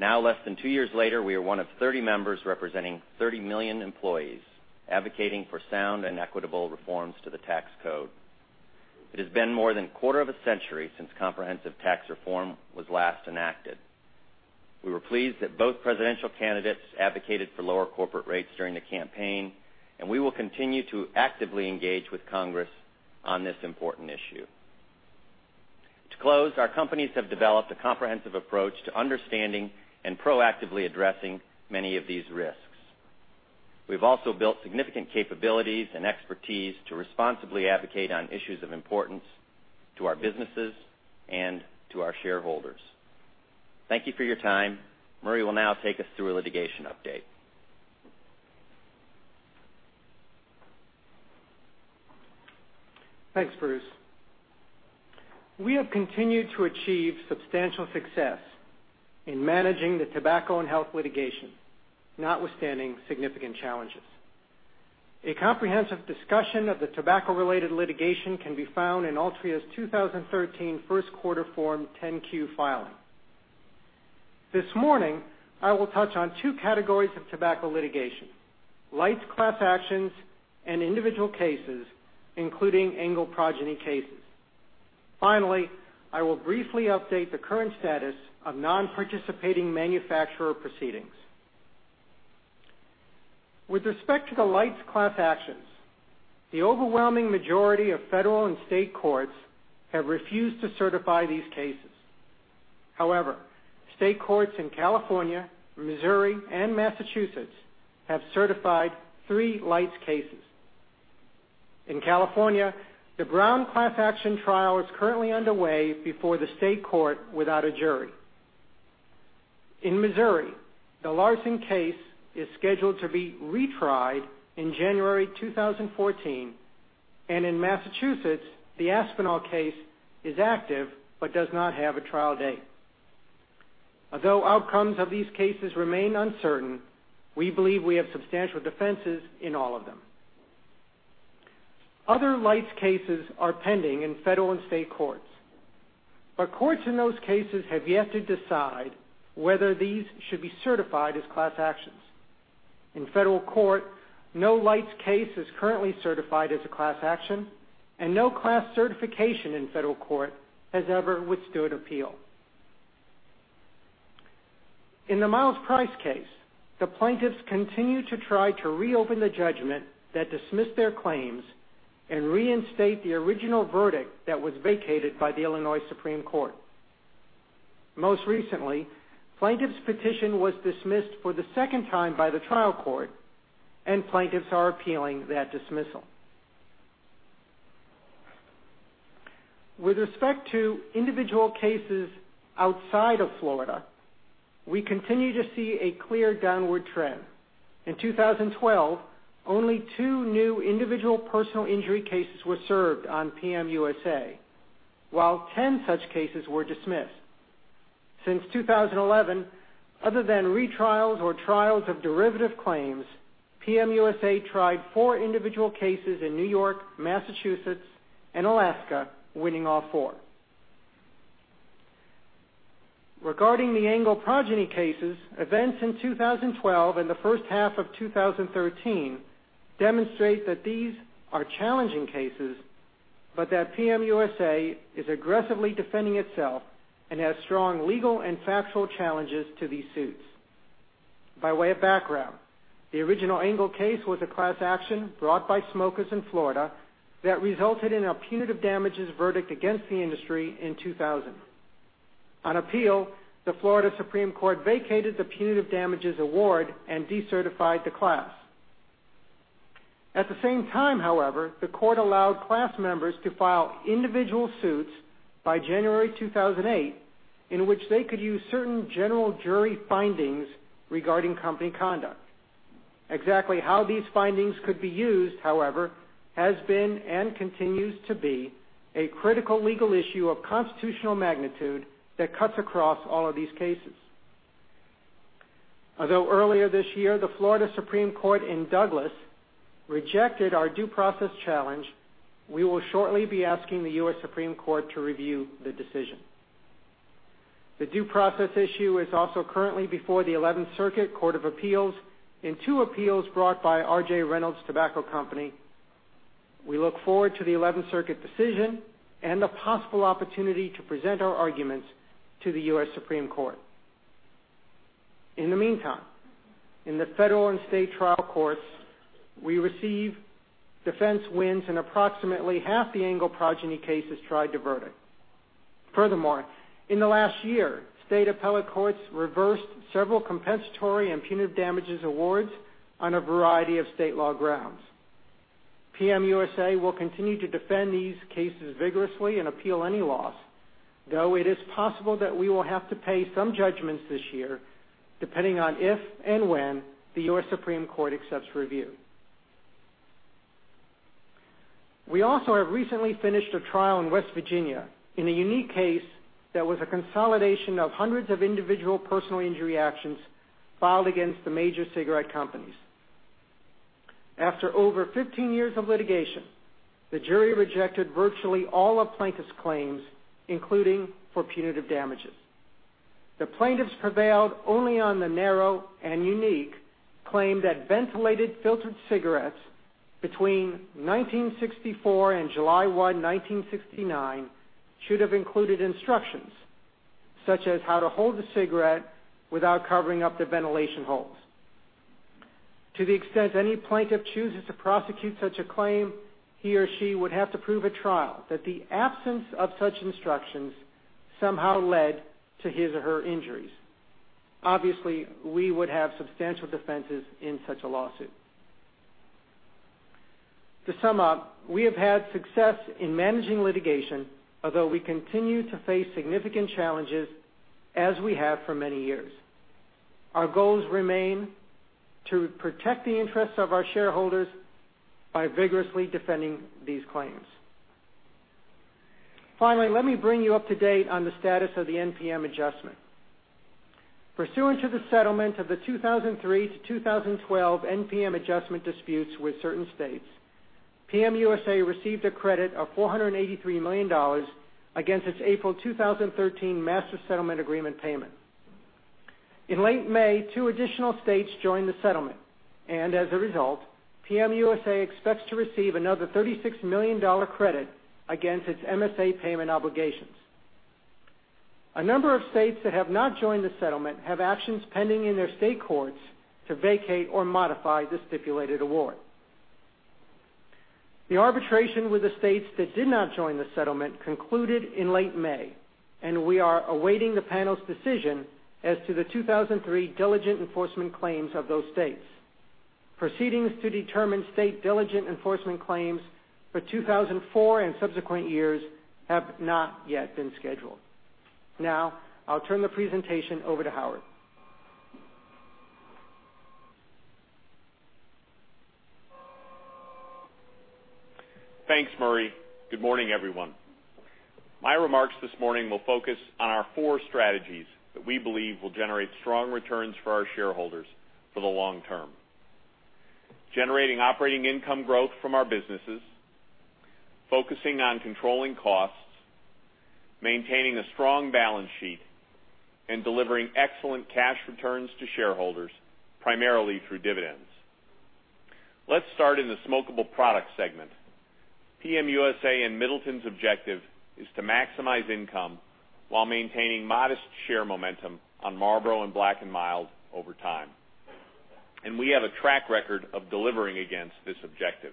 Less than two years later, we are one of 30 members representing 30 million employees, advocating for sound and equitable reforms to the tax code. It has been more than a quarter of a century since comprehensive tax reform was last enacted. We were pleased that both presidential candidates advocated for lower corporate rates during the campaign. We will continue to actively engage with Congress on this important issue. To close, our companies have developed a comprehensive approach to understanding and proactively addressing many of these risks. We've also built significant capabilities and expertise to responsibly advocate on issues of importance to our businesses and to our shareholders. Thank you for your time. Murray will now take us through a litigation update. Thanks, Bruce. We have continued to achieve substantial success in managing the tobacco and health litigation, notwithstanding significant challenges. A comprehensive discussion of the tobacco-related litigation can be found in Altria's 2013 first quarter Form 10-Q filing. This morning, I will touch on two categories of tobacco litigation, lights class actions and individual cases, including Engle progeny cases. Finally, I will briefly update the current status of non-participating manufacturer proceedings. With respect to the lights class actions, the overwhelming majority of federal and state courts have refused to certify these cases. However, state courts in California, Missouri, and Massachusetts have certified three lights cases. In California, the Brown class action trial is currently underway before the state court without a jury. In Missouri, the Larsen case is scheduled to be retried in January 2014, and in Massachusetts, the Aspinall case is active but does not have a trial date. Although outcomes of these cases remain uncertain, we believe we have substantial defenses in all of them. Other lights cases are pending in federal and state courts, but courts in those cases have yet to decide whether these should be certified as class actions. In federal court, no lights case is currently certified as a class action, and no class certification in federal court has ever withstood appeal. In the Price case, the plaintiffs continue to try to reopen the judgment that dismissed their claims and reinstate the original verdict that was vacated by the Illinois Supreme Court. Most recently, plaintiffs' petition was dismissed for the second time by the trial court, and plaintiffs are appealing that dismissal. With respect to individual cases outside of Florida, we continue to see a clear downward trend. In 2012, only two new individual personal injury cases were served on PM USA, while 10 such cases were dismissed. Since 2011, other than retrials or trials of derivative claims, PM USA tried four individual cases in New York, Massachusetts, and Alaska, winning all four. Regarding the Engle progeny cases, events in 2012 and the first half of 2013 demonstrate that these are challenging cases, but that PM USA is aggressively defending itself and has strong legal and factual challenges to these suits. By way of background, the original Engle case was a class action brought by smokers in Florida that resulted in a punitive damages verdict against the industry in 2000. On appeal, the Florida Supreme Court vacated the punitive damages award and decertified the class. At the same time, however, the court allowed class members to file individual suits by January 2008, in which they could use certain general jury findings regarding company conduct. Exactly how these findings could be used, however, has been and continues to be a critical legal issue of constitutional magnitude that cuts across all of these cases. Although earlier this year, the Florida Supreme Court in Douglas rejected our due process challenge, we will shortly be asking the U.S. Supreme Court to review the decision. The due process issue is also currently before the Eleventh Circuit Court of Appeals in two appeals brought by R.J. Reynolds Tobacco Company. We look forward to the Eleventh Circuit decision and the possible opportunity to present our arguments to the U.S. Supreme Court. In the meantime, in the federal and state trial courts, we receive defense wins in approximately half the Engle progeny cases tried to verdict. Furthermore, in the last year, state appellate courts reversed several compensatory and punitive damages awards on a variety of state law grounds. PM USA will continue to defend these cases vigorously and appeal any loss, though it is possible that we will have to pay some judgments this year, depending on if and when the U.S. Supreme Court accepts review. We also have recently finished a trial in West Virginia in a unique case that was a consolidation of hundreds of individual personal injury actions filed against the major cigarette companies. After over 15 years of litigation, the jury rejected virtually all of plaintiffs' claims, including for punitive damages. The plaintiffs prevailed only on the narrow and unique claim that ventilated filtered cigarettes between 1964 and July 1, 1969 should have included instructions, such as how to hold the cigarette without covering up the ventilation holes. To the extent any plaintiff chooses to prosecute such a claim, he or she would have to prove at trial that the absence of such instructions somehow led to his or her injuries. Obviously, we would have substantial defenses in such a lawsuit. To sum up, we have had success in managing litigation, although we continue to face significant challenges as we have for many years. Our goals remain to protect the interests of our shareholders by vigorously defending these claims. Finally, let me bring you up to date on the status of the NPM adjustment. Pursuant to the settlement of the 2003 to 2012 NPM adjustment disputes with certain states, PM USA received a credit of $483 million against its April 2013 Master Settlement Agreement payment. In late May, two additional states joined the settlement, and as a result, PM USA expects to receive another $36 million credit against its MSA payment obligations. A number of states that have not joined the settlement have actions pending in their state courts to vacate or modify the stipulated award. The arbitration with the states that did not join the settlement concluded in late May, and we are awaiting the panel's decision as to the 2003 diligent enforcement claims of those states. Proceedings to determine state diligent enforcement claims for 2004 and subsequent years have not yet been scheduled. Now, I'll turn the presentation over to Howard. Thanks, Murray. Good morning, everyone. My remarks this morning will focus on our four strategies that we believe will generate strong returns for our shareholders for the long term. Generating operating income growth from our businesses, focusing on controlling costs, maintaining a strong balance sheet, and delivering excellent cash returns to shareholders, primarily through dividends. Let's start in the smokable product segment. PM USA and Middleton's objective is to maximize income while maintaining modest share momentum on Marlboro and Black & Mild over time. And we have a track record of delivering against this objective.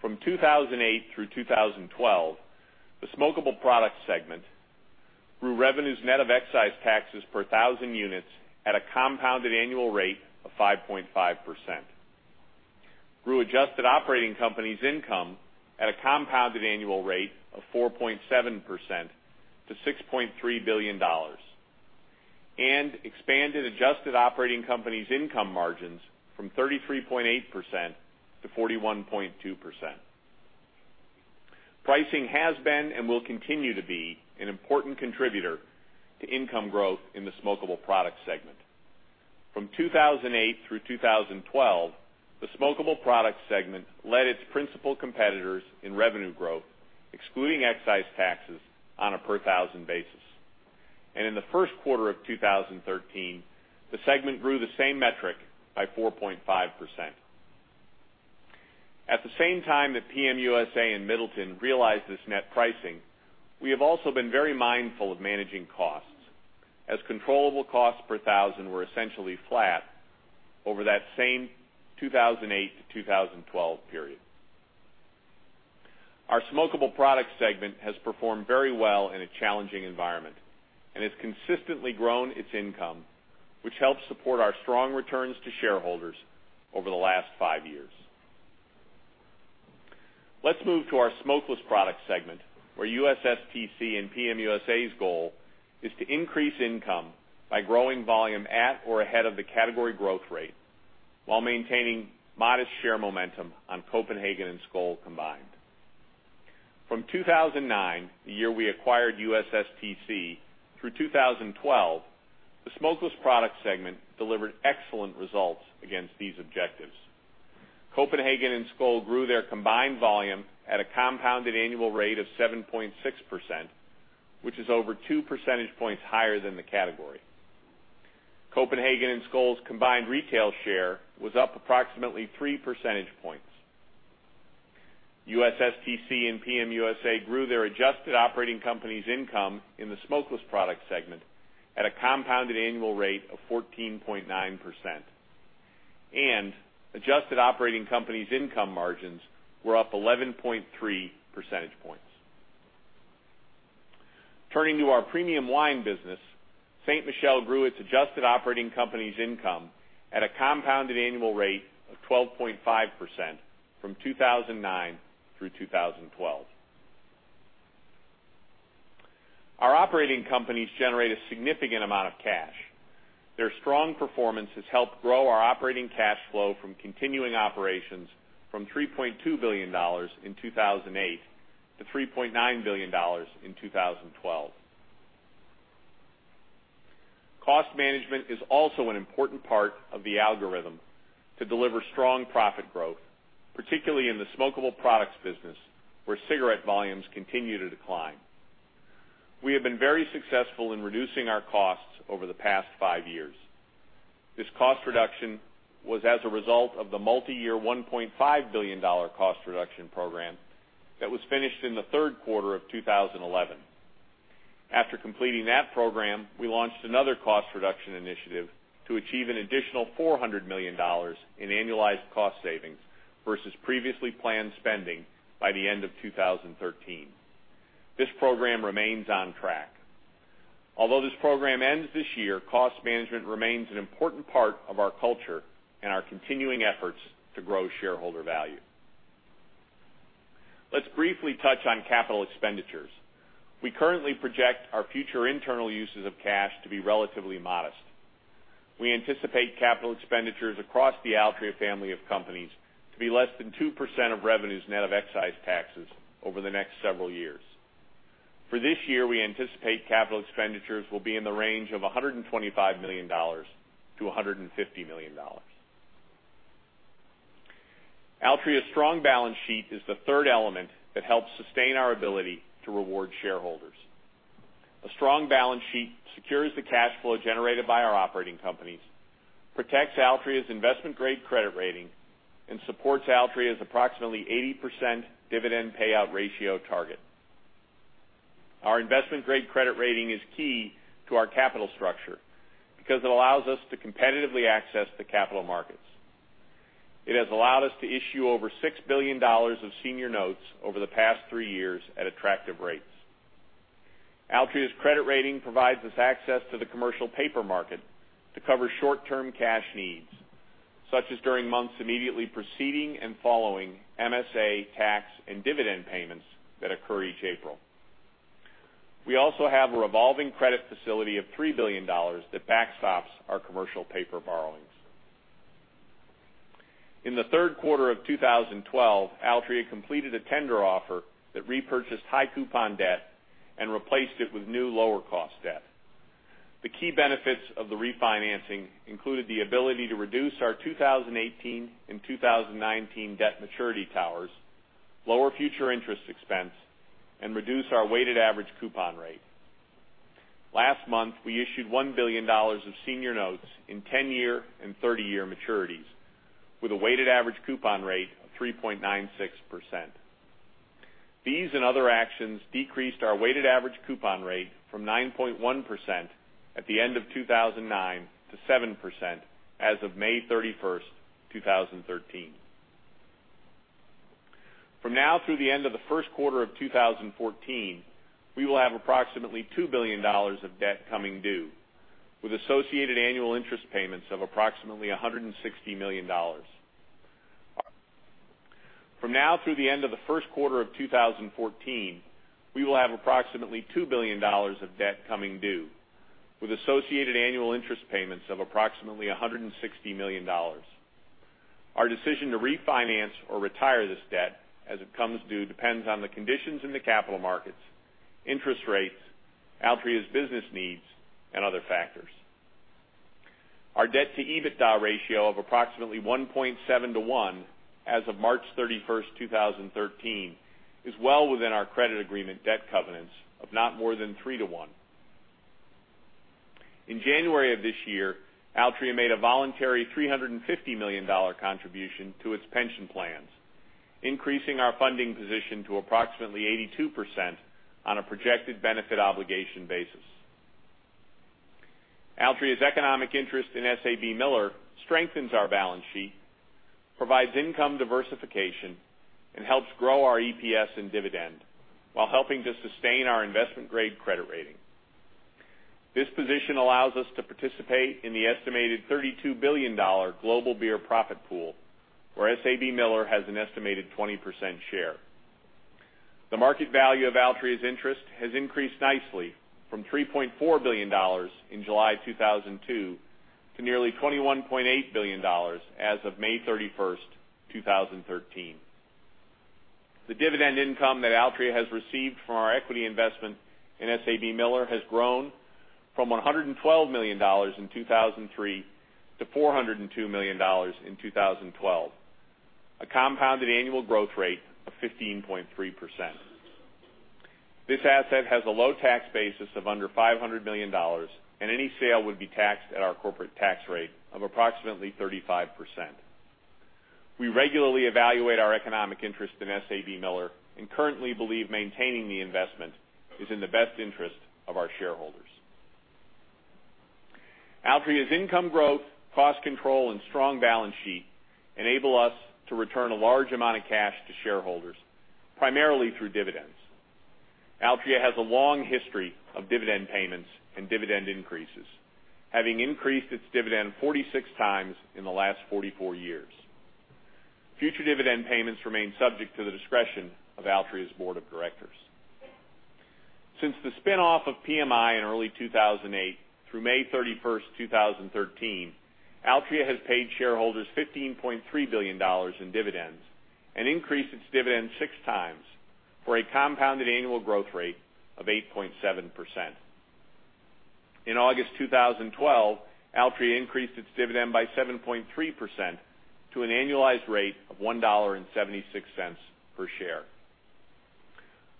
From 2008 through 2012, the smokable product segment grew revenues net of excise taxes per 1,000 units at a compounded annual rate of 5.5% grew adjusted operating companies income at a compounded annual rate of 4.7% to $6.3 billion and expanded adjusted operating companies income margins from 33.8% to 41.2%. Pricing has been and will continue to be an important contributor to income growth in the smokable product segment. From 2008 through 2012, the smokable products segment led its principal competitors in revenue growth, excluding excise taxes, on a per thousand basis. In the first quarter of 2013, the segment grew the same metric by 4.5%. At the same time that PM USA and Middleton realized this net pricing, we have also been very mindful of managing costs, as controllable costs per thousand were essentially flat over that same 2008 to 2012 period. Our smokable products segment has performed very well in a challenging environment and has consistently grown its income, which helps support our strong returns to shareholders over the last five years. Let's move to our smokeless product segment, where USSTC and PM USA's goal is to increase income by growing volume at or ahead of the category growth rate while maintaining modest share momentum on Copenhagen and Skoal combined. From 2009, the year we acquired USSTC, through 2012, the smokeless product segment delivered excellent results against these objectives. Copenhagen and Skoal grew their combined volume at a compounded annual rate of 7.6%, which is over two percentage points higher than the category. Copenhagen and Skoal's combined retail share was up approximately three percentage points. USSTC and PM USA grew their adjusted operating companies income in the smokeless product segment at a compounded annual rate of 14.9%, and adjusted operating companies income margins were up 11.3 percentage points. Turning to our premium wine business, Ste. Michelle grew its adjusted operating companies income at a compounded annual rate of 12.5% from 2009 through 2012. Our operating companies generate a significant amount of cash. Their strong performance has helped grow our operating cash flow from continuing operations from $3.2 billion in 2008 to $3.9 billion in 2012. Cost management is also an important part of the algorithm to deliver strong profit growth, particularly in the smokable products business, where cigarette volumes continue to decline. We have been very successful in reducing our costs over the past five years. This cost reduction was as a result of the multi-year $1.5 billion cost reduction program that was finished in the third quarter of 2011. After completing that program, we launched another cost reduction initiative to achieve an additional $400 million in annualized cost savings versus previously planned spending by the end of 2013. This program remains on track. Although this program ends this year, cost management remains an important part of our culture and our continuing efforts to grow shareholder value. Let's briefly touch on capital expenditures. We currently project our future internal uses of cash to be relatively modest. We anticipate capital expenditures across the Altria family of companies to be less than 2% of revenues net of excise taxes over the next several years. For this year, we anticipate capital expenditures will be in the range of $125 million-$150 million. Altria's strong balance sheet is the third element that helps sustain our ability to reward shareholders. A strong balance sheet secures the cash flow generated by our operating companies, protects Altria's investment-grade credit rating, and supports Altria's approximately 80% dividend payout ratio target. Our investment-grade credit rating is key to our capital structure because it allows us to competitively access the capital markets. It has allowed us to issue over $6 billion of senior notes over the past three years at attractive rates. Altria's credit rating provides us access to the commercial paper market to cover short-term cash needs, such as during months immediately preceding and following MSA tax and dividend payments that occur each April. We also have a revolving credit facility of $3 billion that backstops our commercial paper borrowings. In the third quarter of 2012, Altria completed a tender offer that repurchased high coupon debt and replaced it with new lower cost debt. The key benefits of the refinancing included the ability to reduce our 2018 and 2019 debt maturity towers, lower future interest expense, and reduce our weighted average coupon rate. Last month, we issued $1 billion of senior notes in 10-year and 30-year maturities with a weighted average coupon rate of 3.96%. These and other actions decreased our weighted average coupon rate from 9.1% at the end of 2009 to 7% as of May 31st, 2013. From now through the end of the first quarter of 2014, we will have approximately $2 billion of debt coming due, with associated annual interest payments of approximately $160 million. From now through the end of the first quarter of 2014, we will have approximately $2 billion of debt coming due, with associated annual interest payments of approximately $160 million. Our decision to refinance or retire this debt as it comes due depends on the conditions in the capital markets, interest rates, Altria's business needs, and other factors. Our debt-to-EBITDA ratio of approximately 1.7 to 1 as of March 31st, 2013, is well within our credit agreement debt covenants of not more than 3 to 1. In January of this year, Altria made a voluntary $350 million contribution to its pension plans, increasing our funding position to approximately 82% on a projected benefit obligation basis. Altria's economic interest in SABMiller strengthens our balance sheet, provides income diversification, and helps grow our EPS and dividend while helping to sustain our investment-grade credit rating. This position allows us to participate in the estimated $32 billion global beer profit pool, where SABMiller has an estimated 20% share. The market value of Altria's interest has increased nicely from $3.4 billion in July 2002 to nearly $21.8 billion as of May 31st, 2013. The dividend income that Altria has received from our equity investment in SABMiller has grown from $112 million in 2003 to $402 million in 2012, a compounded annual growth rate of 15.3%. This asset has a low tax basis of under $500 million, and any sale would be taxed at our corporate tax rate of approximately 35%. We regularly evaluate our economic interest in SABMiller and currently believe maintaining the investment is in the best interest of our shareholders. Altria's income growth, cost control, and strong balance sheet enable us to return a large amount of cash to shareholders, primarily through dividends. Altria has a long history of dividend payments and dividend increases, having increased its dividend 46 times in the last 44 years. Future dividend payments remain subject to the discretion of Altria's board of directors. Since the spin-off of PMI in early 2008, through May 31st, 2013, Altria has paid shareholders $15.3 billion in dividends and increased its dividend six times for a compounded annual growth rate of 8.7%. In August 2012, Altria increased its dividend by 7.3% to an annualized rate of $1.76 per share.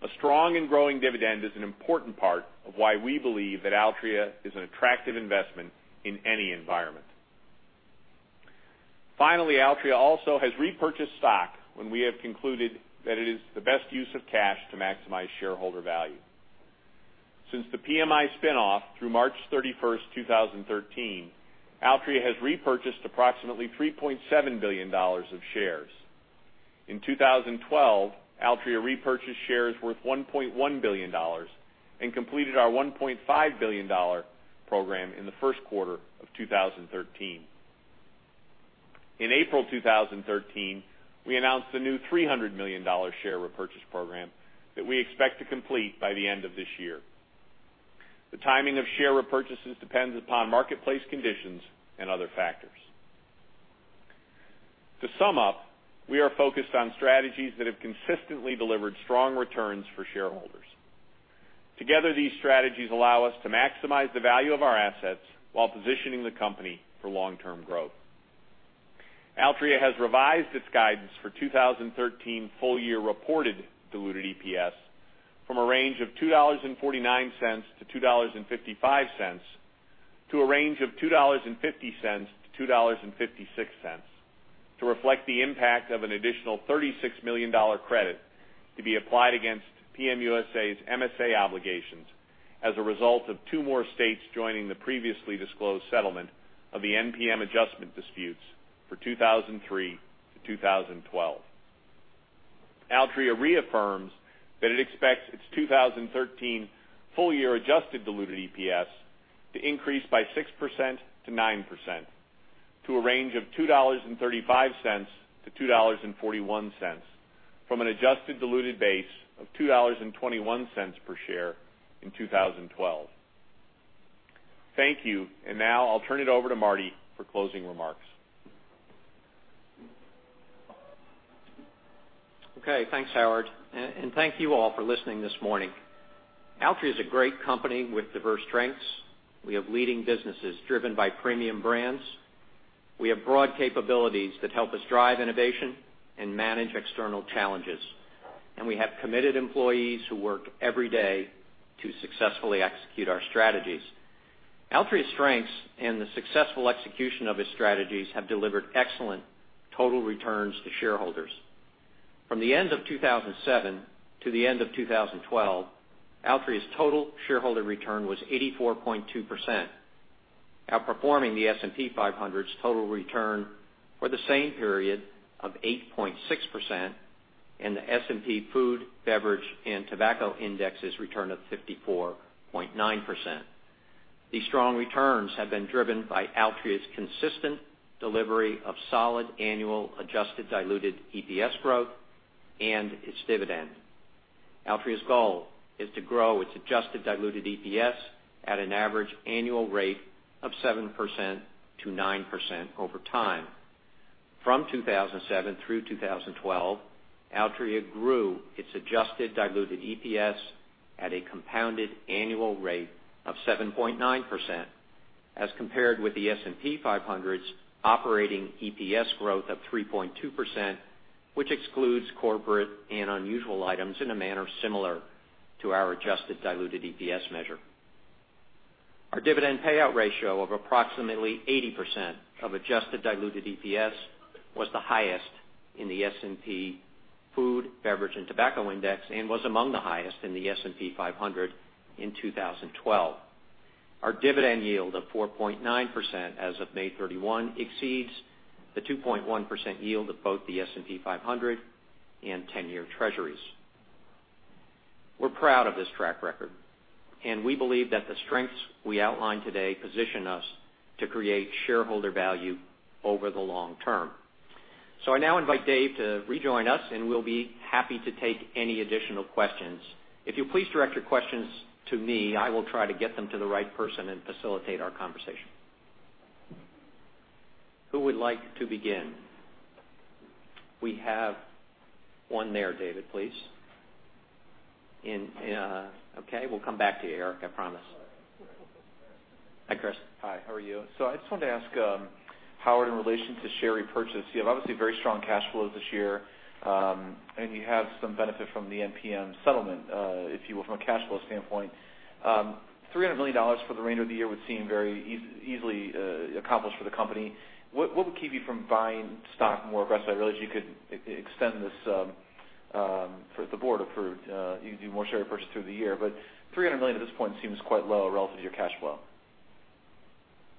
A strong and growing dividend is an important part of why we believe that Altria is an attractive investment in any environment. Finally, Altria also has repurchased stock when we have concluded that it is the best use of cash to maximize shareholder value. Since the PMI spin-off through March 31st, 2013, Altria has repurchased approximately $3.7 billion of shares. In 2012, Altria repurchased shares worth $1.1 billion and completed our $1.5 billion program in the first quarter of 2013. In April 2013, we announced a new $300 million share repurchase program that we expect to complete by the end of this year. The timing of share repurchases depends upon marketplace conditions and other factors. To sum up, we are focused on strategies that have consistently delivered strong returns for shareholders. Together, these strategies allow us to maximize the value of our assets while positioning the company for long-term growth. Altria has revised its guidance for 2013 full-year reported diluted EPS from a range of $2.49-$2.55, to a range of $2.50-$2.56, to reflect the impact of an additional $36 million credit to be applied against PM USA's MSA obligations as a result of two more states joining the previously disclosed settlement of the NPM adjustment disputes for 2003 to 2012. Altria reaffirms that it expects its 2013 full-year adjusted diluted EPS to increase by 6%-9%, to a range of $2.35-$2.41 from an adjusted diluted base of $2.21 per share in 2012. Thank you. Now I'll turn it over to Marty for closing remarks. Okay. Thanks, Howard. Thank you all for listening this morning. Altria is a great company with diverse strengths. We have leading businesses driven by premium brands. We have broad capabilities that help us drive innovation and manage external challenges. We have committed employees who work every day to successfully execute our strategies. Altria's strengths and the successful execution of its strategies have delivered excellent total returns to shareholders. From the end of 2007 to the end of 2012, Altria's total shareholder return was 84.2%. Outperforming the S&P 500's total return for the same period of 8.6% and the S&P Food, Beverage, and Tobacco index's return of 54.9%. These strong returns have been driven by Altria's consistent delivery of solid annual adjusted diluted EPS growth and its dividend. Altria's goal is to grow its adjusted diluted EPS at an average annual rate of 7%-9% over time. From 2007 through 2012, Altria grew its adjusted diluted EPS at a compounded annual rate of 7.9%, as compared with the S&P 500's operating EPS growth of 3.2%, which excludes corporate and unusual items in a manner similar to our adjusted diluted EPS measure. Our dividend payout ratio of approximately 80% of adjusted diluted EPS was the highest in the S&P Food, Beverage & Tobacco index and was among the highest in the S&P 500 in 2012. Our dividend yield of 4.9% as of May 31 exceeds the 2.1% yield of both the S&P 500 and 10-year Treasuries. We're proud of this track record, and we believe that the strengths we outlined today position us to create shareholder value over the long term. I now invite Dave to rejoin us, and we'll be happy to take any additional questions. If you please direct your questions to me, I will try to get them to the right person and facilitate our conversation. Who would like to begin? We have one there, David, please. Okay, we'll come back to you, Erik, I promise. Hi, Chris. Hi, how are you? I just wanted to ask Howard in relation to share repurchase. You have obviously very strong cash flows this year. And you have some benefit from the NPM settlement, if you will, from a cash flow standpoint. $300 million for the remainder of the year would seem very easily accomplished for the company. What would keep you from buying stock more aggressively? I realize you could extend this if the Board approved, you could do more share purchase through the year, $300 million at this point seems quite low relative to your cash flow.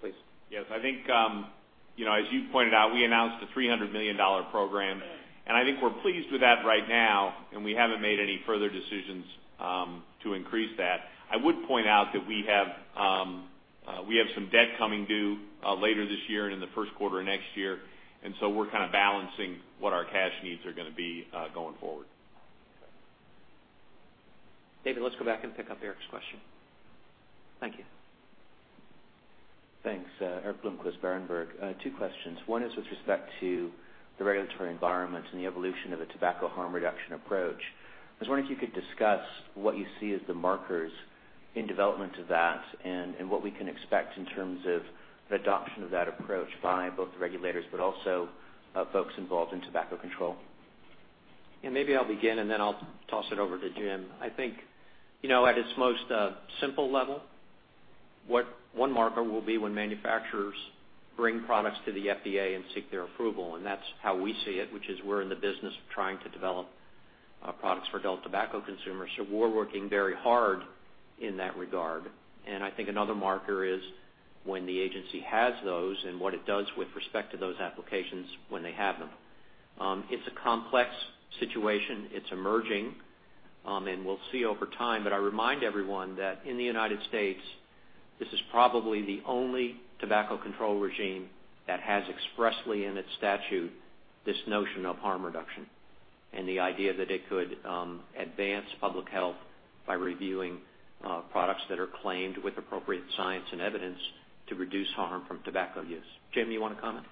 Please. Yes, I think, as you pointed out, we announced a $300 million program. I think we're pleased with that right now, and we haven't made any further decisions to increase that. I would point out that we have some debt coming due later this year and in the first quarter of next year. We're kind of balancing what our cash needs are going to be going forward. David, let's go back and pick up Erik's question. Thank you. Thanks. Erik Bloomquist, Berenberg. Two questions. One is with respect to the regulatory environment and the evolution of the tobacco harm reduction approach. I was wondering if you could discuss what you see as the markers in development of that and what we can expect in terms of the adoption of that approach by both the regulators but also folks involved in tobacco control. Maybe I'll begin, then I'll toss it over to Jim. I think at its most simple level, one marker will be when manufacturers bring products to the FDA and seek their approval. That's how we see it, which is we're in the business of trying to develop products for adult tobacco consumers. We're working very hard in that regard. I think another marker is when the agency has those and what it does with respect to those applications when they have them. It's a complex situation. It's emerging. We'll see over time. I remind everyone that in the United States, this is probably the only tobacco control regime that has expressly in its statute this notion of harm reduction and the idea that it could advance public health by reviewing products that are claimed with appropriate science and evidence to reduce harm from tobacco use. Jim, you want to comment?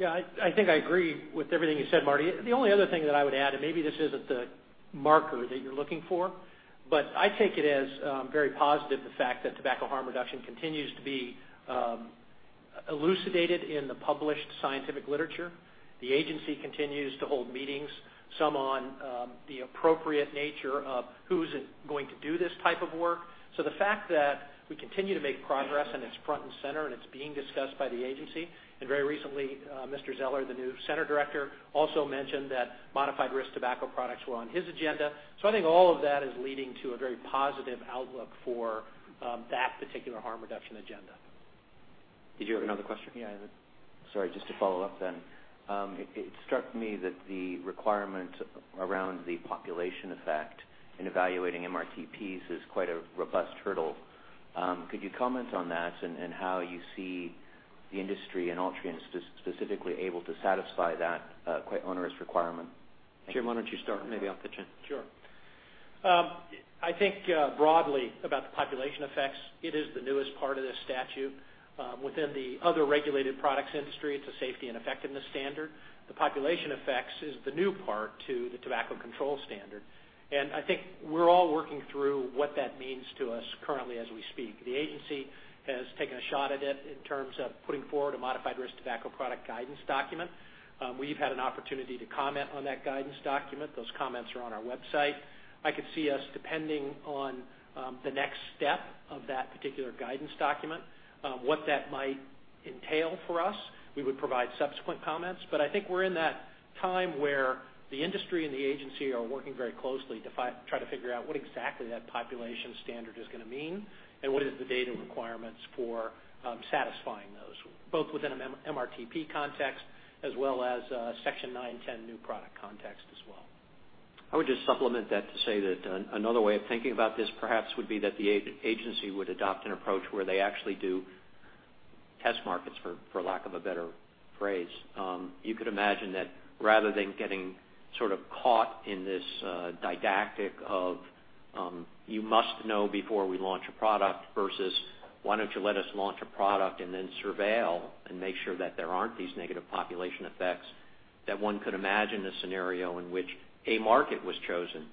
I think I agree with everything you said, Marty. The only other thing that I would add, maybe this isn't the marker that you're looking for, I take it as very positive the fact that tobacco harm reduction continues to be elucidated in the published scientific literature. The agency continues to hold meetings, some on the appropriate nature of who's going to do this type of work. The fact that we continue to make progress and it's front and center and it's being discussed by the agency. Very recently, Mr. Zeller, the new center director, also mentioned that modified risk tobacco products were on his agenda. I think all of that is leading to a very positive outlook for that particular harm reduction agenda. Did you have another question? Sorry, just to follow up. It struck me that the requirement around the population effect in evaluating MRTPs is quite a robust hurdle. Could you comment on that and how you see the industry and Altria specifically able to satisfy that quite onerous requirement? Jim, why don't you start? Maybe I'll pitch in. Sure. I think broadly about the population effects. It is the newest part of this statute. Within the other regulated products industry, it's a safety and effectiveness standard. The population effects is the new part to the tobacco control standard. I think we're all working through what that means to us currently as we speak. The agency has taken a shot at it in terms of putting forward a modified risk tobacco product guidance document. We've had an opportunity to comment on that guidance document. Those comments are on our website. I could see us depending on the next step of that particular guidance document, what that might. Entail for us, we would provide subsequent comments. I think we're in that time where the industry and the agency are working very closely to try to figure out what exactly that population standard is going to mean, and what is the data requirements for satisfying those, both within an MRTP context as well as Section 910 new product context as well. I would just supplement that to say that another way of thinking about this perhaps would be that the agency would adopt an approach where they actually do test markets, for lack of a better phrase. You could imagine that rather than getting sort of caught in this didactic of, you must know before we launch a product, versus, why don't you let us launch a product and then surveil and make sure that there aren't these negative population effects. That one could imagine a scenario in which a market was chosen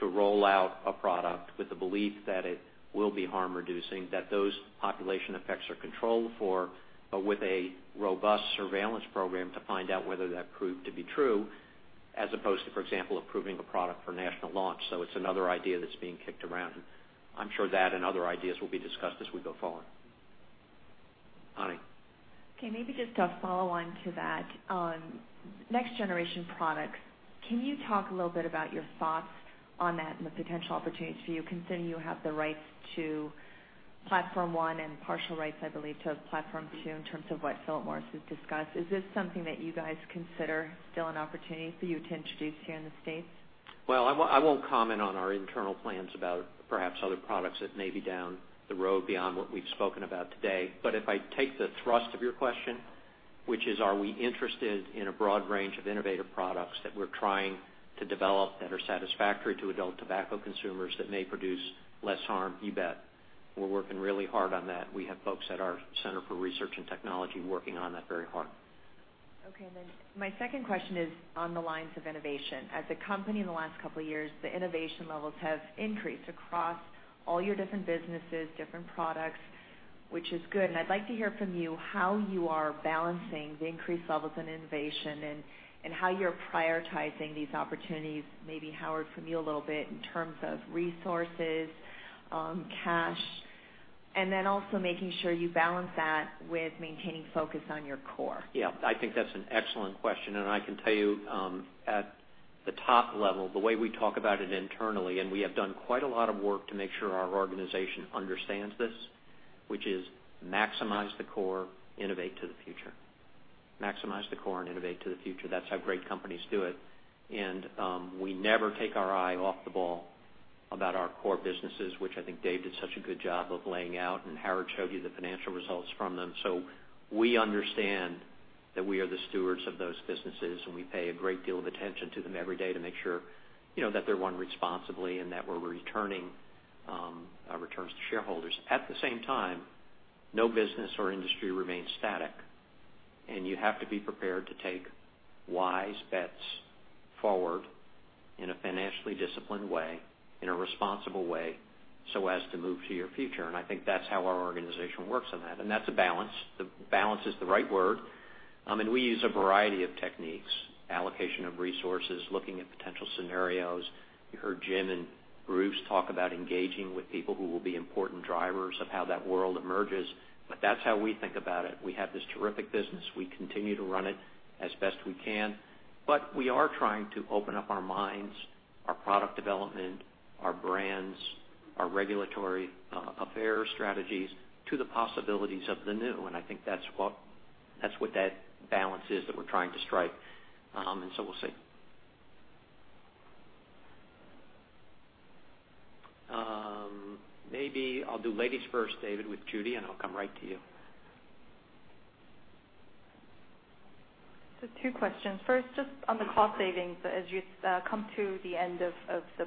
to roll out a product with the belief that it will be harm reducing, that those population effects are controlled for, but with a robust surveillance program to find out whether that proved to be true as opposed to, for example, approving a product for national launch. It's another idea that's being kicked around. I'm sure that and other ideas will be discussed as we go forward. Ani. Okay, maybe just a follow-on to that. On next generation products, can you talk a little bit about your thoughts on that and the potential opportunities for you considering you have the rights to Platform 1 and partial rights, I believe, to Platform 2 in terms of what Philip Morris has discussed? Is this something that you guys consider still an opportunity for you to introduce here in the States? Well, I won't comment on our internal plans about perhaps other products that may be down the road beyond what we've spoken about today. If I take the thrust of your question, which is, are we interested in a broad range of innovative products that we're trying to develop that are satisfactory to adult tobacco consumers that may produce less harm? You bet. We're working really hard on that. We have folks at our Center for Research and Technology working on that very hard. Okay, my second question is on the lines of innovation. As a company in the last couple of years, the innovation levels have increased across all your different businesses, different products, which is good. I'd like to hear from you how you are balancing the increased levels in innovation and how you're prioritizing these opportunities. Maybe Howard, from you a little bit in terms of resources, cash, and then also making sure you balance that with maintaining focus on your core. I think that's an excellent question, I can tell you at the top level, the way we talk about it internally, we have done quite a lot of work to make sure our organization understands this, which is maximize the core, innovate to the future. Maximize the core and innovate to the future. That's how great companies do it. We never take our eye off the ball about our core businesses, which I think Dave did such a good job of laying out, and Howard showed you the financial results from them. We understand that we are the stewards of those businesses, and we pay a great deal of attention to them every day to make sure that they're run responsibly and that we're returning our returns to shareholders. You have to be prepared to take wise bets forward in a financially disciplined way, in a responsible way, so as to move to your future. I think that's how our organization works on that. That's a balance. The balance is the right word. We use a variety of techniques, allocation of resources, looking at potential scenarios. You heard Jim and Bruce talk about engaging with people who will be important drivers of how that world emerges. That's how we think about it. We have this terrific business. We continue to run it as best we can, but we are trying to open up our minds, our product development, our brands, our regulatory affairs strategies to the possibilities of the new. I think that's what that balance is that we're trying to strike. We'll see. Maybe I'll do ladies first, David, with Judy, I'll come right to you. Two questions. First, just on the cost savings. As you come to the end of the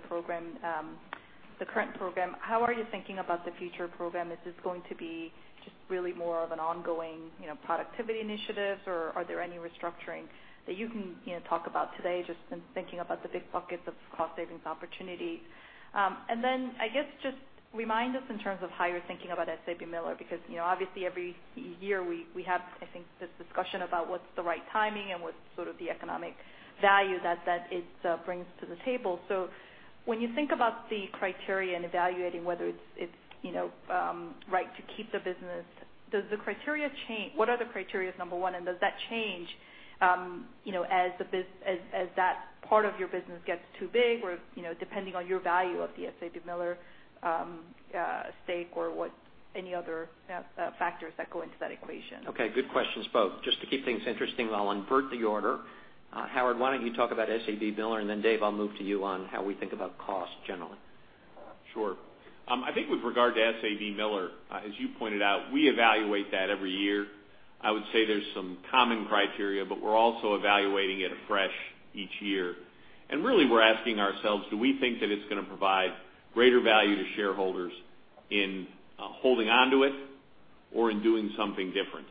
current program, how are you thinking about the future program? Is this going to be just really more of an ongoing productivity initiative, or are there any restructuring that you can talk about today, just in thinking about the big buckets of cost savings opportunity? I guess just remind us in terms of how you're thinking about SABMiller, because obviously every year we have, I think, this discussion about what's the right timing and what's sort of the economic value that it brings to the table. When you think about the criteria in evaluating whether it's right to keep the business, does the criteria change? What are the criteria, number one, does that change as that part of your business gets too big or depending on your value of the SABMiller stake or any other factors that go into that equation? Okay, good questions both. Just to keep things interesting, I'll invert the order. Howard, why don't you talk about SABMiller, then Dave, I'll move to you on how we think about cost generally. Sure. I think with regard to SABMiller as you pointed out, we evaluate that every year. I would say there's some common criteria, but we're also evaluating it afresh each year. Really, we're asking ourselves, do we think that it's going to provide greater value to shareholders in holding onto it or in doing something different?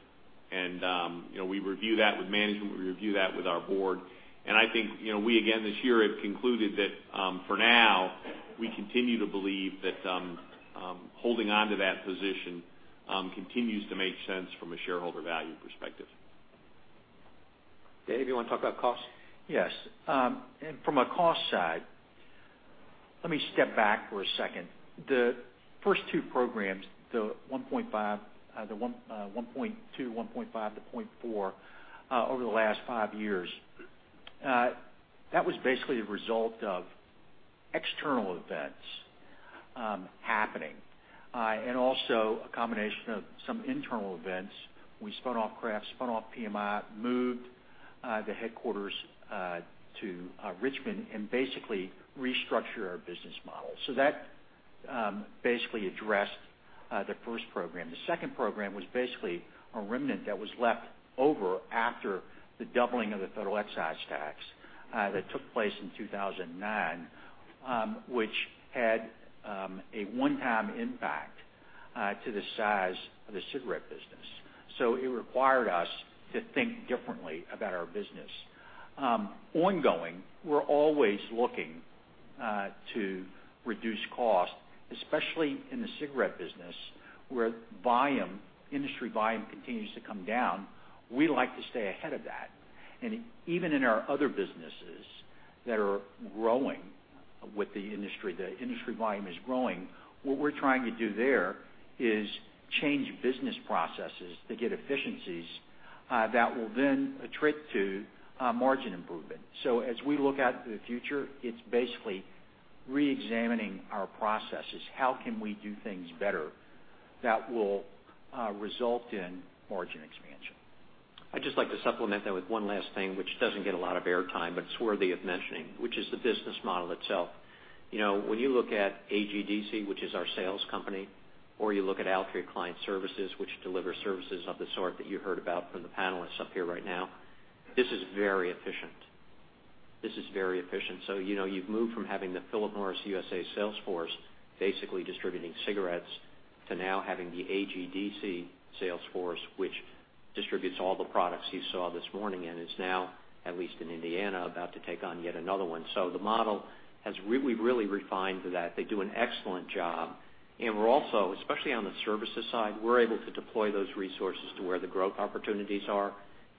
We review that with management. We review that with our board. I think we again this year have concluded that for now, we continue to believe that holding onto that position continues to make sense from a shareholder value perspective. Dave, you want to talk about costs? Yes. From a cost side, let me step back for a second. The first two programs, the 1.2, 1.5 to 1.4, over the last five years, that was basically a result of external events happening, and also a combination of some internal events. We spun off Kraft, spun off PMI, moved the headquarters to Richmond and basically restructured our business model. That basically addressed the first program. The second program was basically a remnant that was left over after the doubling of the federal excise tax that took place in 2009, which had a one-time impact to the size of the cigarette business. It required us to think differently about our business. Ongoing, we're always looking to reduce costs, especially in the cigarette business, where industry volume continues to come down. We like to stay ahead of that. Even in our other businesses that are growing with the industry, the industry volume is growing. What we're trying to do there is change business processes to get efficiencies that will then attrit to margin improvement. As we look out to the future, it's basically re-examining our processes. How can we do things better that will result in margin expansion? I'd just like to supplement that with one last thing, which doesn't get a lot of air time, but it's worthy of mentioning, which is the business model itself. When you look at AGDC, which is our sales company, or you look at Altria Client Services, which delivers services of the sort that you heard about from the panelists up here right now, this is very efficient. You've moved from having the Philip Morris USA sales force basically distributing cigarettes to now having the AGDC sales force, which distributes all the products you saw this morning and is now, at least in Indiana, about to take on yet another one. The model has really refined that. They do an excellent job. We're also, especially on the services side, we're able to deploy those resources to where the growth opportunities are,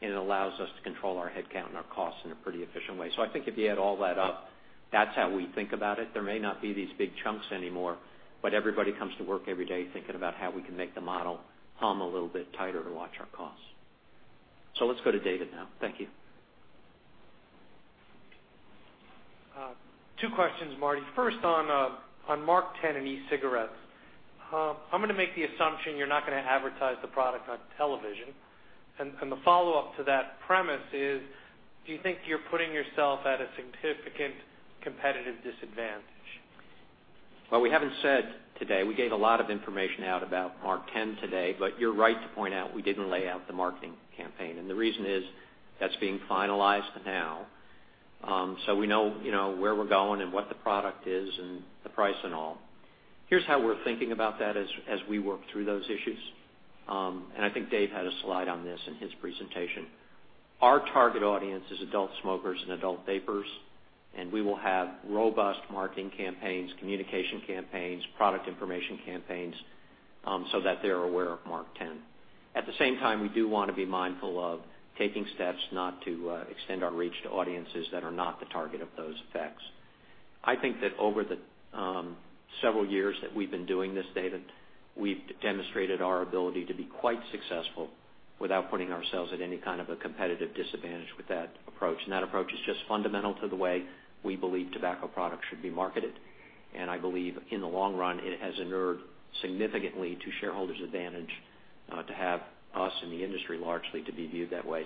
and it allows us to control our headcount and our costs in a pretty efficient way. I think if you add all that up, that's how we think about it. There may not be these big chunks anymore, but everybody comes to work every day thinking about how we can make the model hum a little bit tighter to watch our costs. Let's go to David now. Thank you. Two questions, Marty. First on MarkTen and e-cigarettes. I'm going to make the assumption you're not going to advertise the product on television. The follow-up to that premise is, do you think you're putting yourself at a significant competitive disadvantage? We haven't said today. We gave a lot of information out about MarkTen today. You're right to point out we didn't lay out the marketing campaign. The reason is that's being finalized now. We know where we're going and what the product is and the price and all. Here's how we're thinking about that as we work through those issues. I think Dave Baran had a slide on this in his presentation. Our target audience is adult smokers and adult vapers. We will have robust marketing campaigns, communication campaigns, product information campaigns, so that they're aware of MarkTen. At the same time, we do want to be mindful of taking steps not to extend our reach to audiences that are not the target of those effects. I think that over the several years that we've been doing this, David, we've demonstrated our ability to be quite successful without putting ourselves at any kind of a competitive disadvantage with that approach. That approach is just fundamental to the way we believe tobacco products should be marketed. I believe in the long run, it has inured significantly to shareholders' advantage to have us in the industry largely to be viewed that way.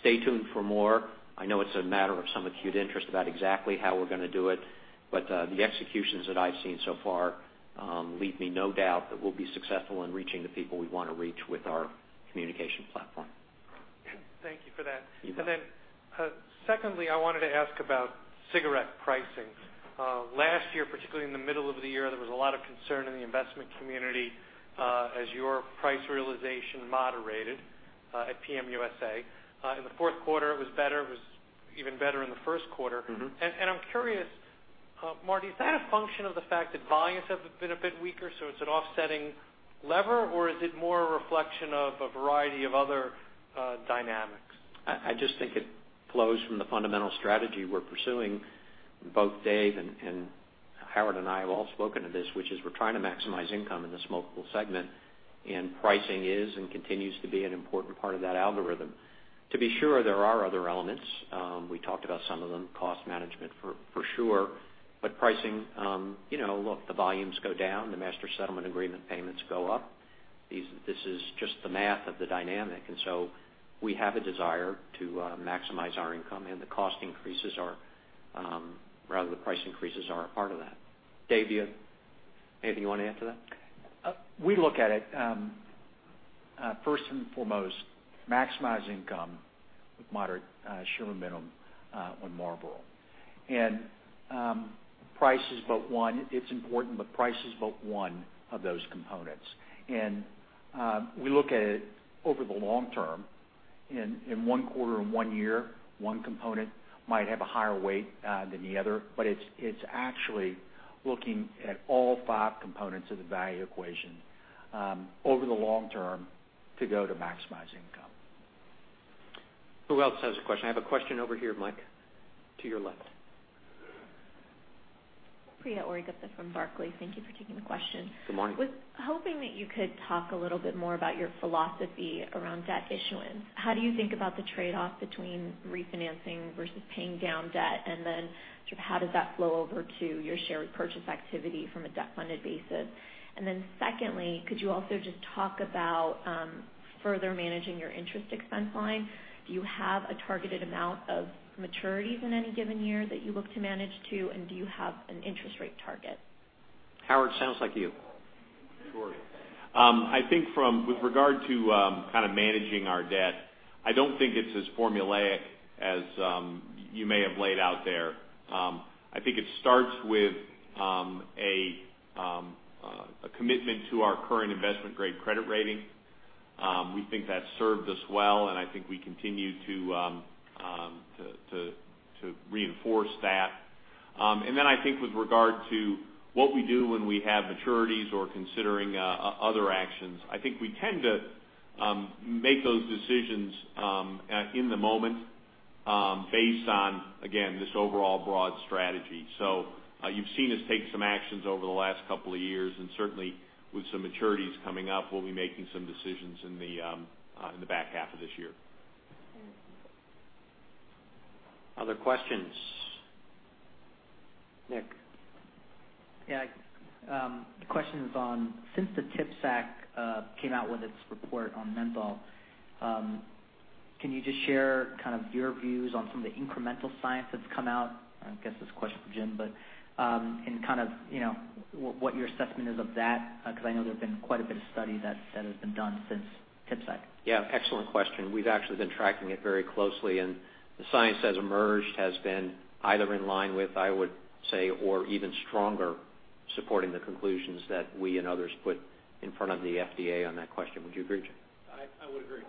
Stay tuned for more. I know it's a matter of some acute interest about exactly how we're going to do it. The executions that I've seen so far leave me no doubt that we'll be successful in reaching the people we want to reach with our communication platform. Thank you for that. You bet. Secondly, I wanted to ask about cigarette pricing. Last year, particularly in the middle of the year, there was a lot of concern in the investment community as your price realization moderated at PM USA. In the fourth quarter, it was better. It was even better in the first quarter. I'm curious, Marty, is that a function of the fact that volumes have been a bit weaker, so it's an offsetting lever, or is it more a reflection of a variety of other dynamics? I just think it flows from the fundamental strategy we're pursuing. Both Dave and Howard and I have all spoken to this, which is we're trying to maximize income in the smokeable segment, and pricing is and continues to be an important part of that algorithm. To be sure, there are other elements. We talked about some of them. Cost management for sure. Pricing, look, the volumes go down, the Master Settlement Agreement payments go up. This is just the math of the dynamic. We have a desire to maximize our income and the price increases are a part of that. Dave, you want to add to that? We look at it first and foremost, maximize income with moderate share minimum on Marlboro. Price is but one. It's important, but price is but one of those components. We look at it over the long term. In one quarter or one year, one component might have a higher weight than the other, but it's actually looking at all five components of the value equation over the long term to go to maximize income. Who else has a question? I have a question over here, Mike, to your left. Priya Ohri-Gupta from Barclays. Thank you for taking the question. Good morning. I was hoping that you could talk a little bit more about your philosophy around debt issuance. How do you think about the trade-off between refinancing versus paying down debt? How does that flow over to your share repurchase activity from a debt-funded basis? Secondly, could you also just talk about further managing your interest expense line? Do you have a targeted amount of maturities in any given year that you look to manage to? Do you have an interest rate target? Howard, sounds like you. Sure. With regard to managing our debt, I don't think it's as formulaic as you may have laid out there. I think it starts with a commitment to our current investment-grade credit rating. We think that's served us well, and I think we continue to reinforce that. Then with regard to what we do when we have maturities or considering other actions, I think we tend to make those decisions in the moment, based on, again, this overall broad strategy. You've seen us take some actions over the last couple of years, and certainly with some maturities coming up, we'll be making some decisions in the back half of this year. Thank you. Other questions? Nick. Yeah. The question is on, since the TPSAC came out with its report on menthol, can you just share your views on some of the incremental science that's come out? I guess this is a question for Jim. What your assessment is of that, because I know there's been quite a bit of study that has been done since TPSAC. Yeah. Excellent question. We've actually been tracking it very closely. The science that has emerged has been either in line with, I would say, or even stronger, supporting the conclusions that we and others put in front of the FDA on that question. Would you agree, Jim? I would agree.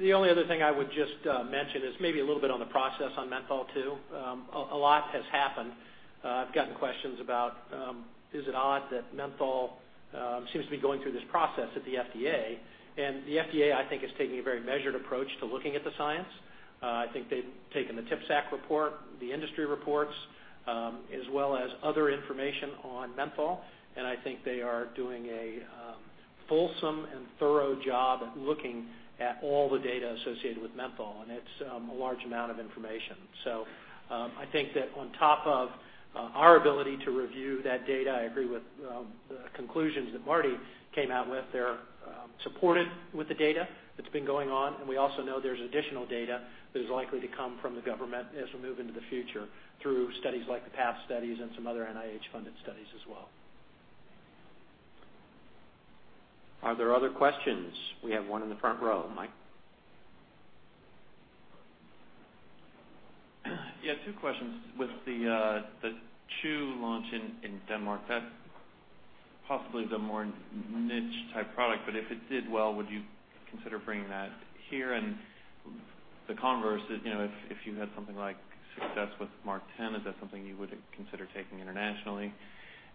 The only other thing I would just mention is maybe a little bit on the process on menthol, too. A lot has happened. I've gotten questions about, is it odd that menthol seems to be going through this process at the FDA? The FDA, I think, is taking a very measured approach to looking at the science. I think they've taken the TPSAC report, the industry reports, as well as other information on menthol. I think they are doing a fulsome and thorough job at looking at all the data associated with menthol. It's a large amount of information. I think that on top of our ability to review that data, I agree with the conclusions that Marty came out with. They're supported with the data that's been going on. We also know there's additional data that is likely to come from the government as we move into the future through studies like the PATH studies and some other NIH-funded studies as well. Are there other questions? We have one in the front row. Mike. Yeah, two questions. With the chew launch in Denmark, that's possibly the more niche type product, but if it did well, would you consider bringing that here? The converse, if you had something like success with MarkTen, is that something you would consider taking internationally?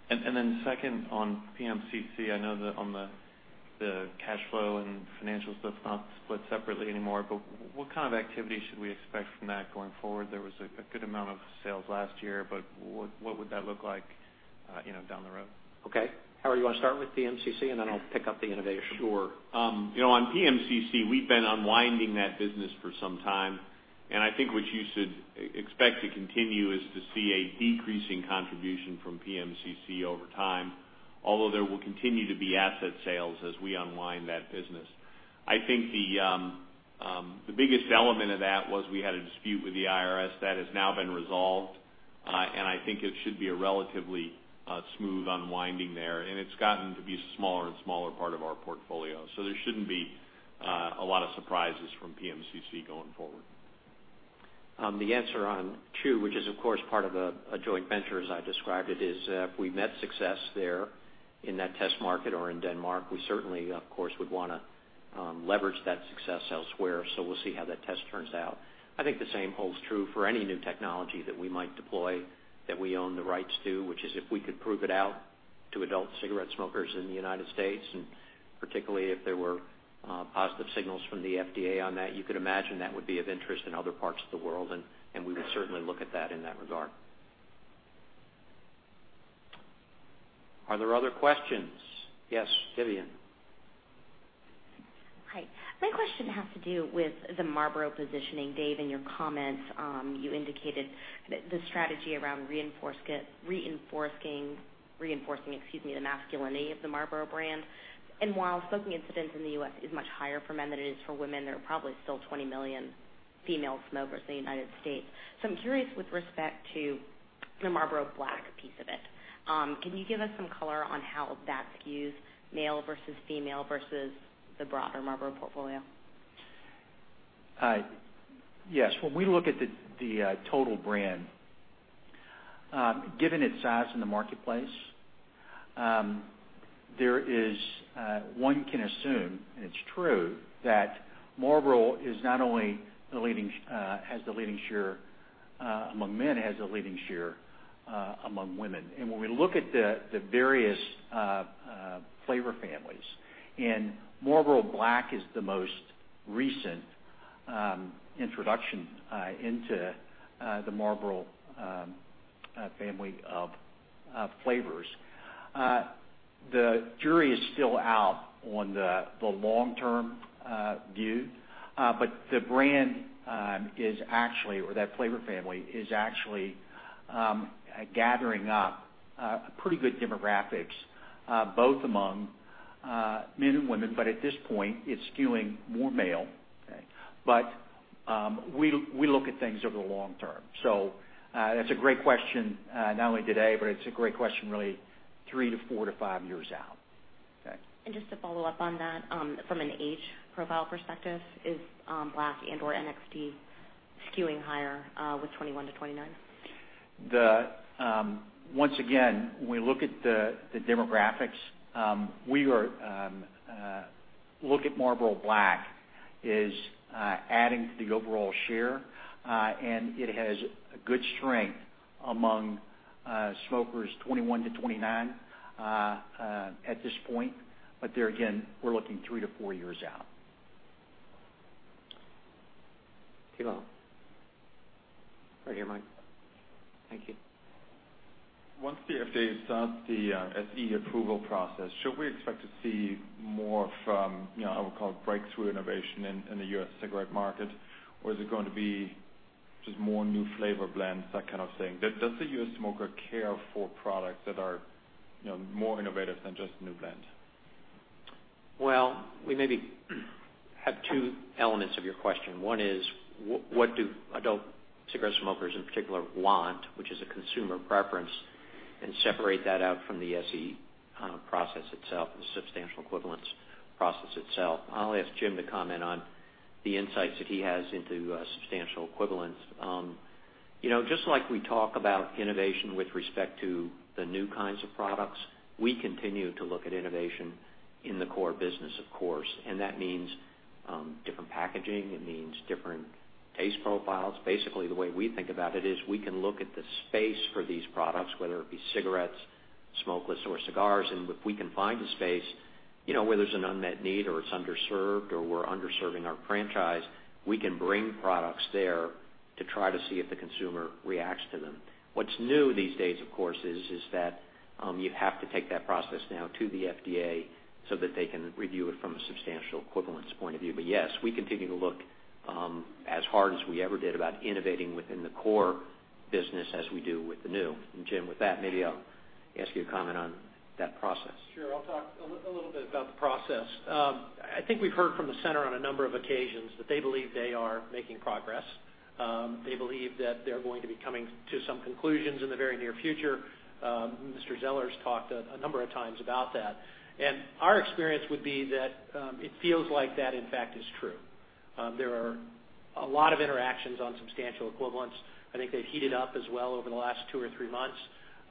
Then second, on PMCC, I know that on the cash flow and financial stuff's not split separately anymore, but what kind of activity should we expect from that going forward? There was a good amount of sales last year, but what would that look like down the road? Okay. Howard, you want to start with PMCC, and then I'll pick up the innovation? Sure. On PMCC, we've been unwinding that business for some time, and I think what you should expect to continue is to see a decreasing contribution from PMCC over time, although there will continue to be asset sales as we unwind that business. I think the biggest element of that was we had a dispute with the IRS. That has now been resolved, and I think it should be a relatively smooth unwinding there. It's gotten to be a smaller and smaller part of our portfolio. There shouldn't be a lot of surprises from PMCC going forward. The answer on chew, which is of course part of a joint venture as I described it, is if we met success there in that test market or in Denmark, we certainly, of course, would want to leverage that success elsewhere. We'll see how that test turns out. I think the same holds true for any new technology that we might deploy, that we own the rights to, which is if we could prove it out to adult cigarette smokers in the U.S., and particularly if there were positive signals from the FDA on that, you could imagine that would be of interest in other parts of the world, and we would certainly look at that in that regard. Are there other questions? Yes, Vivien. Hi. My question has to do with the Marlboro positioning. Dave, in your comments, you indicated the strategy around reinforcing the masculinity of the Marlboro brand. While smoking incidence in the U.S. is much higher for men than it is for women, there are probably still 20 million female smokers in the U.S. I'm curious with respect to the Marlboro Black piece of it. Can you give us some color on how that skews male versus female versus the broader Marlboro portfolio? Yes. When we look at the total brand, given its size in the marketplace, one can assume, and it's true, that Marlboro not only has the leading share among men, it has the leading share among women. When we look at the various flavor families, Marlboro Black is the most recent introduction into the Marlboro family of flavors. The jury is still out on the long-term view. The brand, or that flavor family, is actually gathering up pretty good demographics, both among men and women, but at this point, it's skewing more male. We look at things over the long term. That's a great question not only today, but it's a great question really three to four to five years out. Okay. Just to follow up on that. From an age profile perspective, is Marlboro Black and/or Marlboro NXT skewing higher with 21-29? Once again, when we look at the demographics, we look at Marlboro Black as adding to the overall share. It has a good strength among smokers 21-29 at this point. There again, we're looking three to four years out. Thilo. Right here, Mike. Thank you. Once the FDA starts the SE approval process, should we expect to see more from, I would call it breakthrough innovation in the U.S. cigarette market? Is it going to be just more new flavor blends, that kind of thing? Does the U.S. smoker care for products that are more innovative than just new blends? Well, we maybe have two elements of your question. One is what do adult cigarette smokers in particular want, which is a consumer preference, and separate that out from the SE process itself, the substantial equivalence process itself. I'll ask Jim to comment on the insights that he has into substantial equivalence. Just like we talk about innovation with respect to the new kinds of products, we continue to look at innovation in the core business, of course. That means different packaging. It means different taste profiles. Basically, the way we think about it is we can look at the space for these products, whether it be cigarettes, smokeless, or cigars, and if we can find a space where there's an unmet need or it's underserved or we're underserving our franchise, we can bring products there to try to see if the consumer reacts to them. What's new these days, of course, is that you have to take that process now to the FDA so that they can review it from a substantial equivalence point of view. Yes, we continue to look as hard as we ever did about innovating within the core business as we do with the new. Jim, with that, maybe I'll ask you to comment on that process. Sure. I'll talk a little bit about the process. I think we've heard from the center on a number of occasions that they believe they are making progress. They believe that they're going to be coming to some conclusions in the very near future. Mr. Zeller's talked a number of times about that. Our experience would be that it feels like that, in fact, is true. There are a lot of interactions on substantial equivalence. I think they've heated up as well over the last two or three months.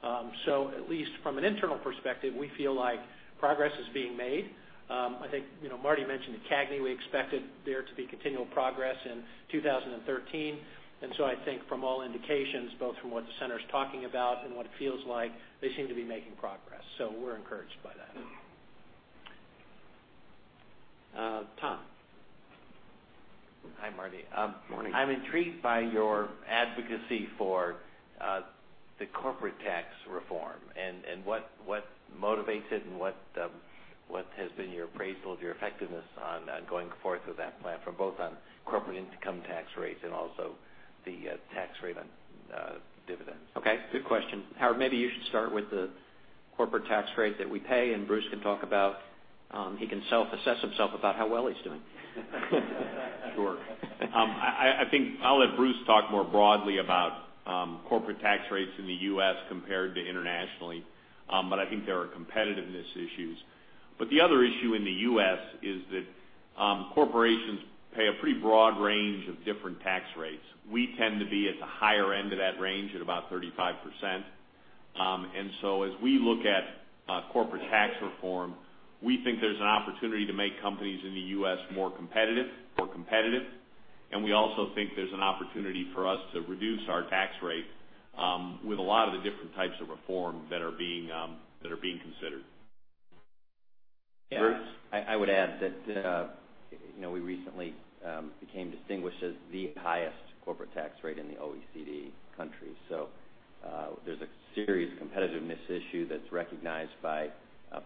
At least from an internal perspective, we feel like progress is being made. I think Marty mentioned the CAGNY. We expected there to be continual progress in 2013, I think from all indications, both from what the center's talking about and what it feels like, they seem to be making progress. We're encouraged by that. Tom. Hi, Marty. Morning. I'm intrigued by your advocacy for the corporate tax reform, and what motivates it and what has been your appraisal of your effectiveness on going forth with that plan, for both on corporate income tax rates and also the tax rate on dividends. Okay, good question. Howard, maybe you should start with the corporate tax rate that we pay, and Bruce can self-assess himself about how well he's doing. Sure. I think I'll let Bruce talk more broadly about corporate tax rates in the U.S. compared to internationally. I think there are competitiveness issues. The other issue in the U.S. is that corporations pay a pretty broad range of different tax rates. We tend to be at the higher end of that range at about 35%. As we look at corporate tax reform, we think there's an opportunity to make companies in the U.S. more competitive, and we also think there's an opportunity for us to reduce our tax rate with a lot of the different types of reform that are being considered. Bruce? I would add that we recently became distinguished as the highest corporate tax rate in the OECD countries. There's a serious competitiveness issue that's recognized,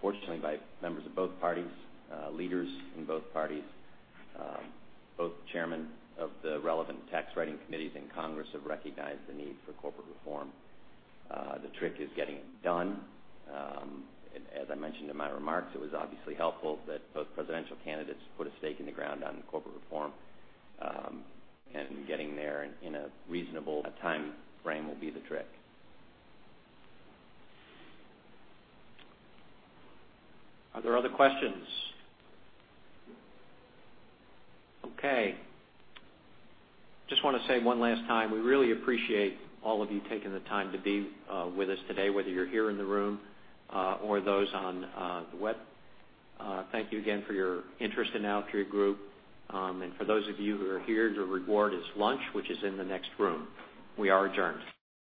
fortunately, by members of both parties, leaders in both parties. Both chairmen of the relevant tax writing committees in Congress have recognized the need for corporate reform. The trick is getting it done. As I mentioned in my remarks, it was obviously helpful that both presidential candidates put a stake in the ground on corporate reform, and getting there in a reasonable timeframe will be the trick. Are there other questions? Okay. Just want to say one last time, we really appreciate all of you taking the time to be with us today, whether you're here in the room or those on the web. Thank you again for your interest in Altria Group. For those of you who are here, your reward is lunch, which is in the next room. We are adjourned.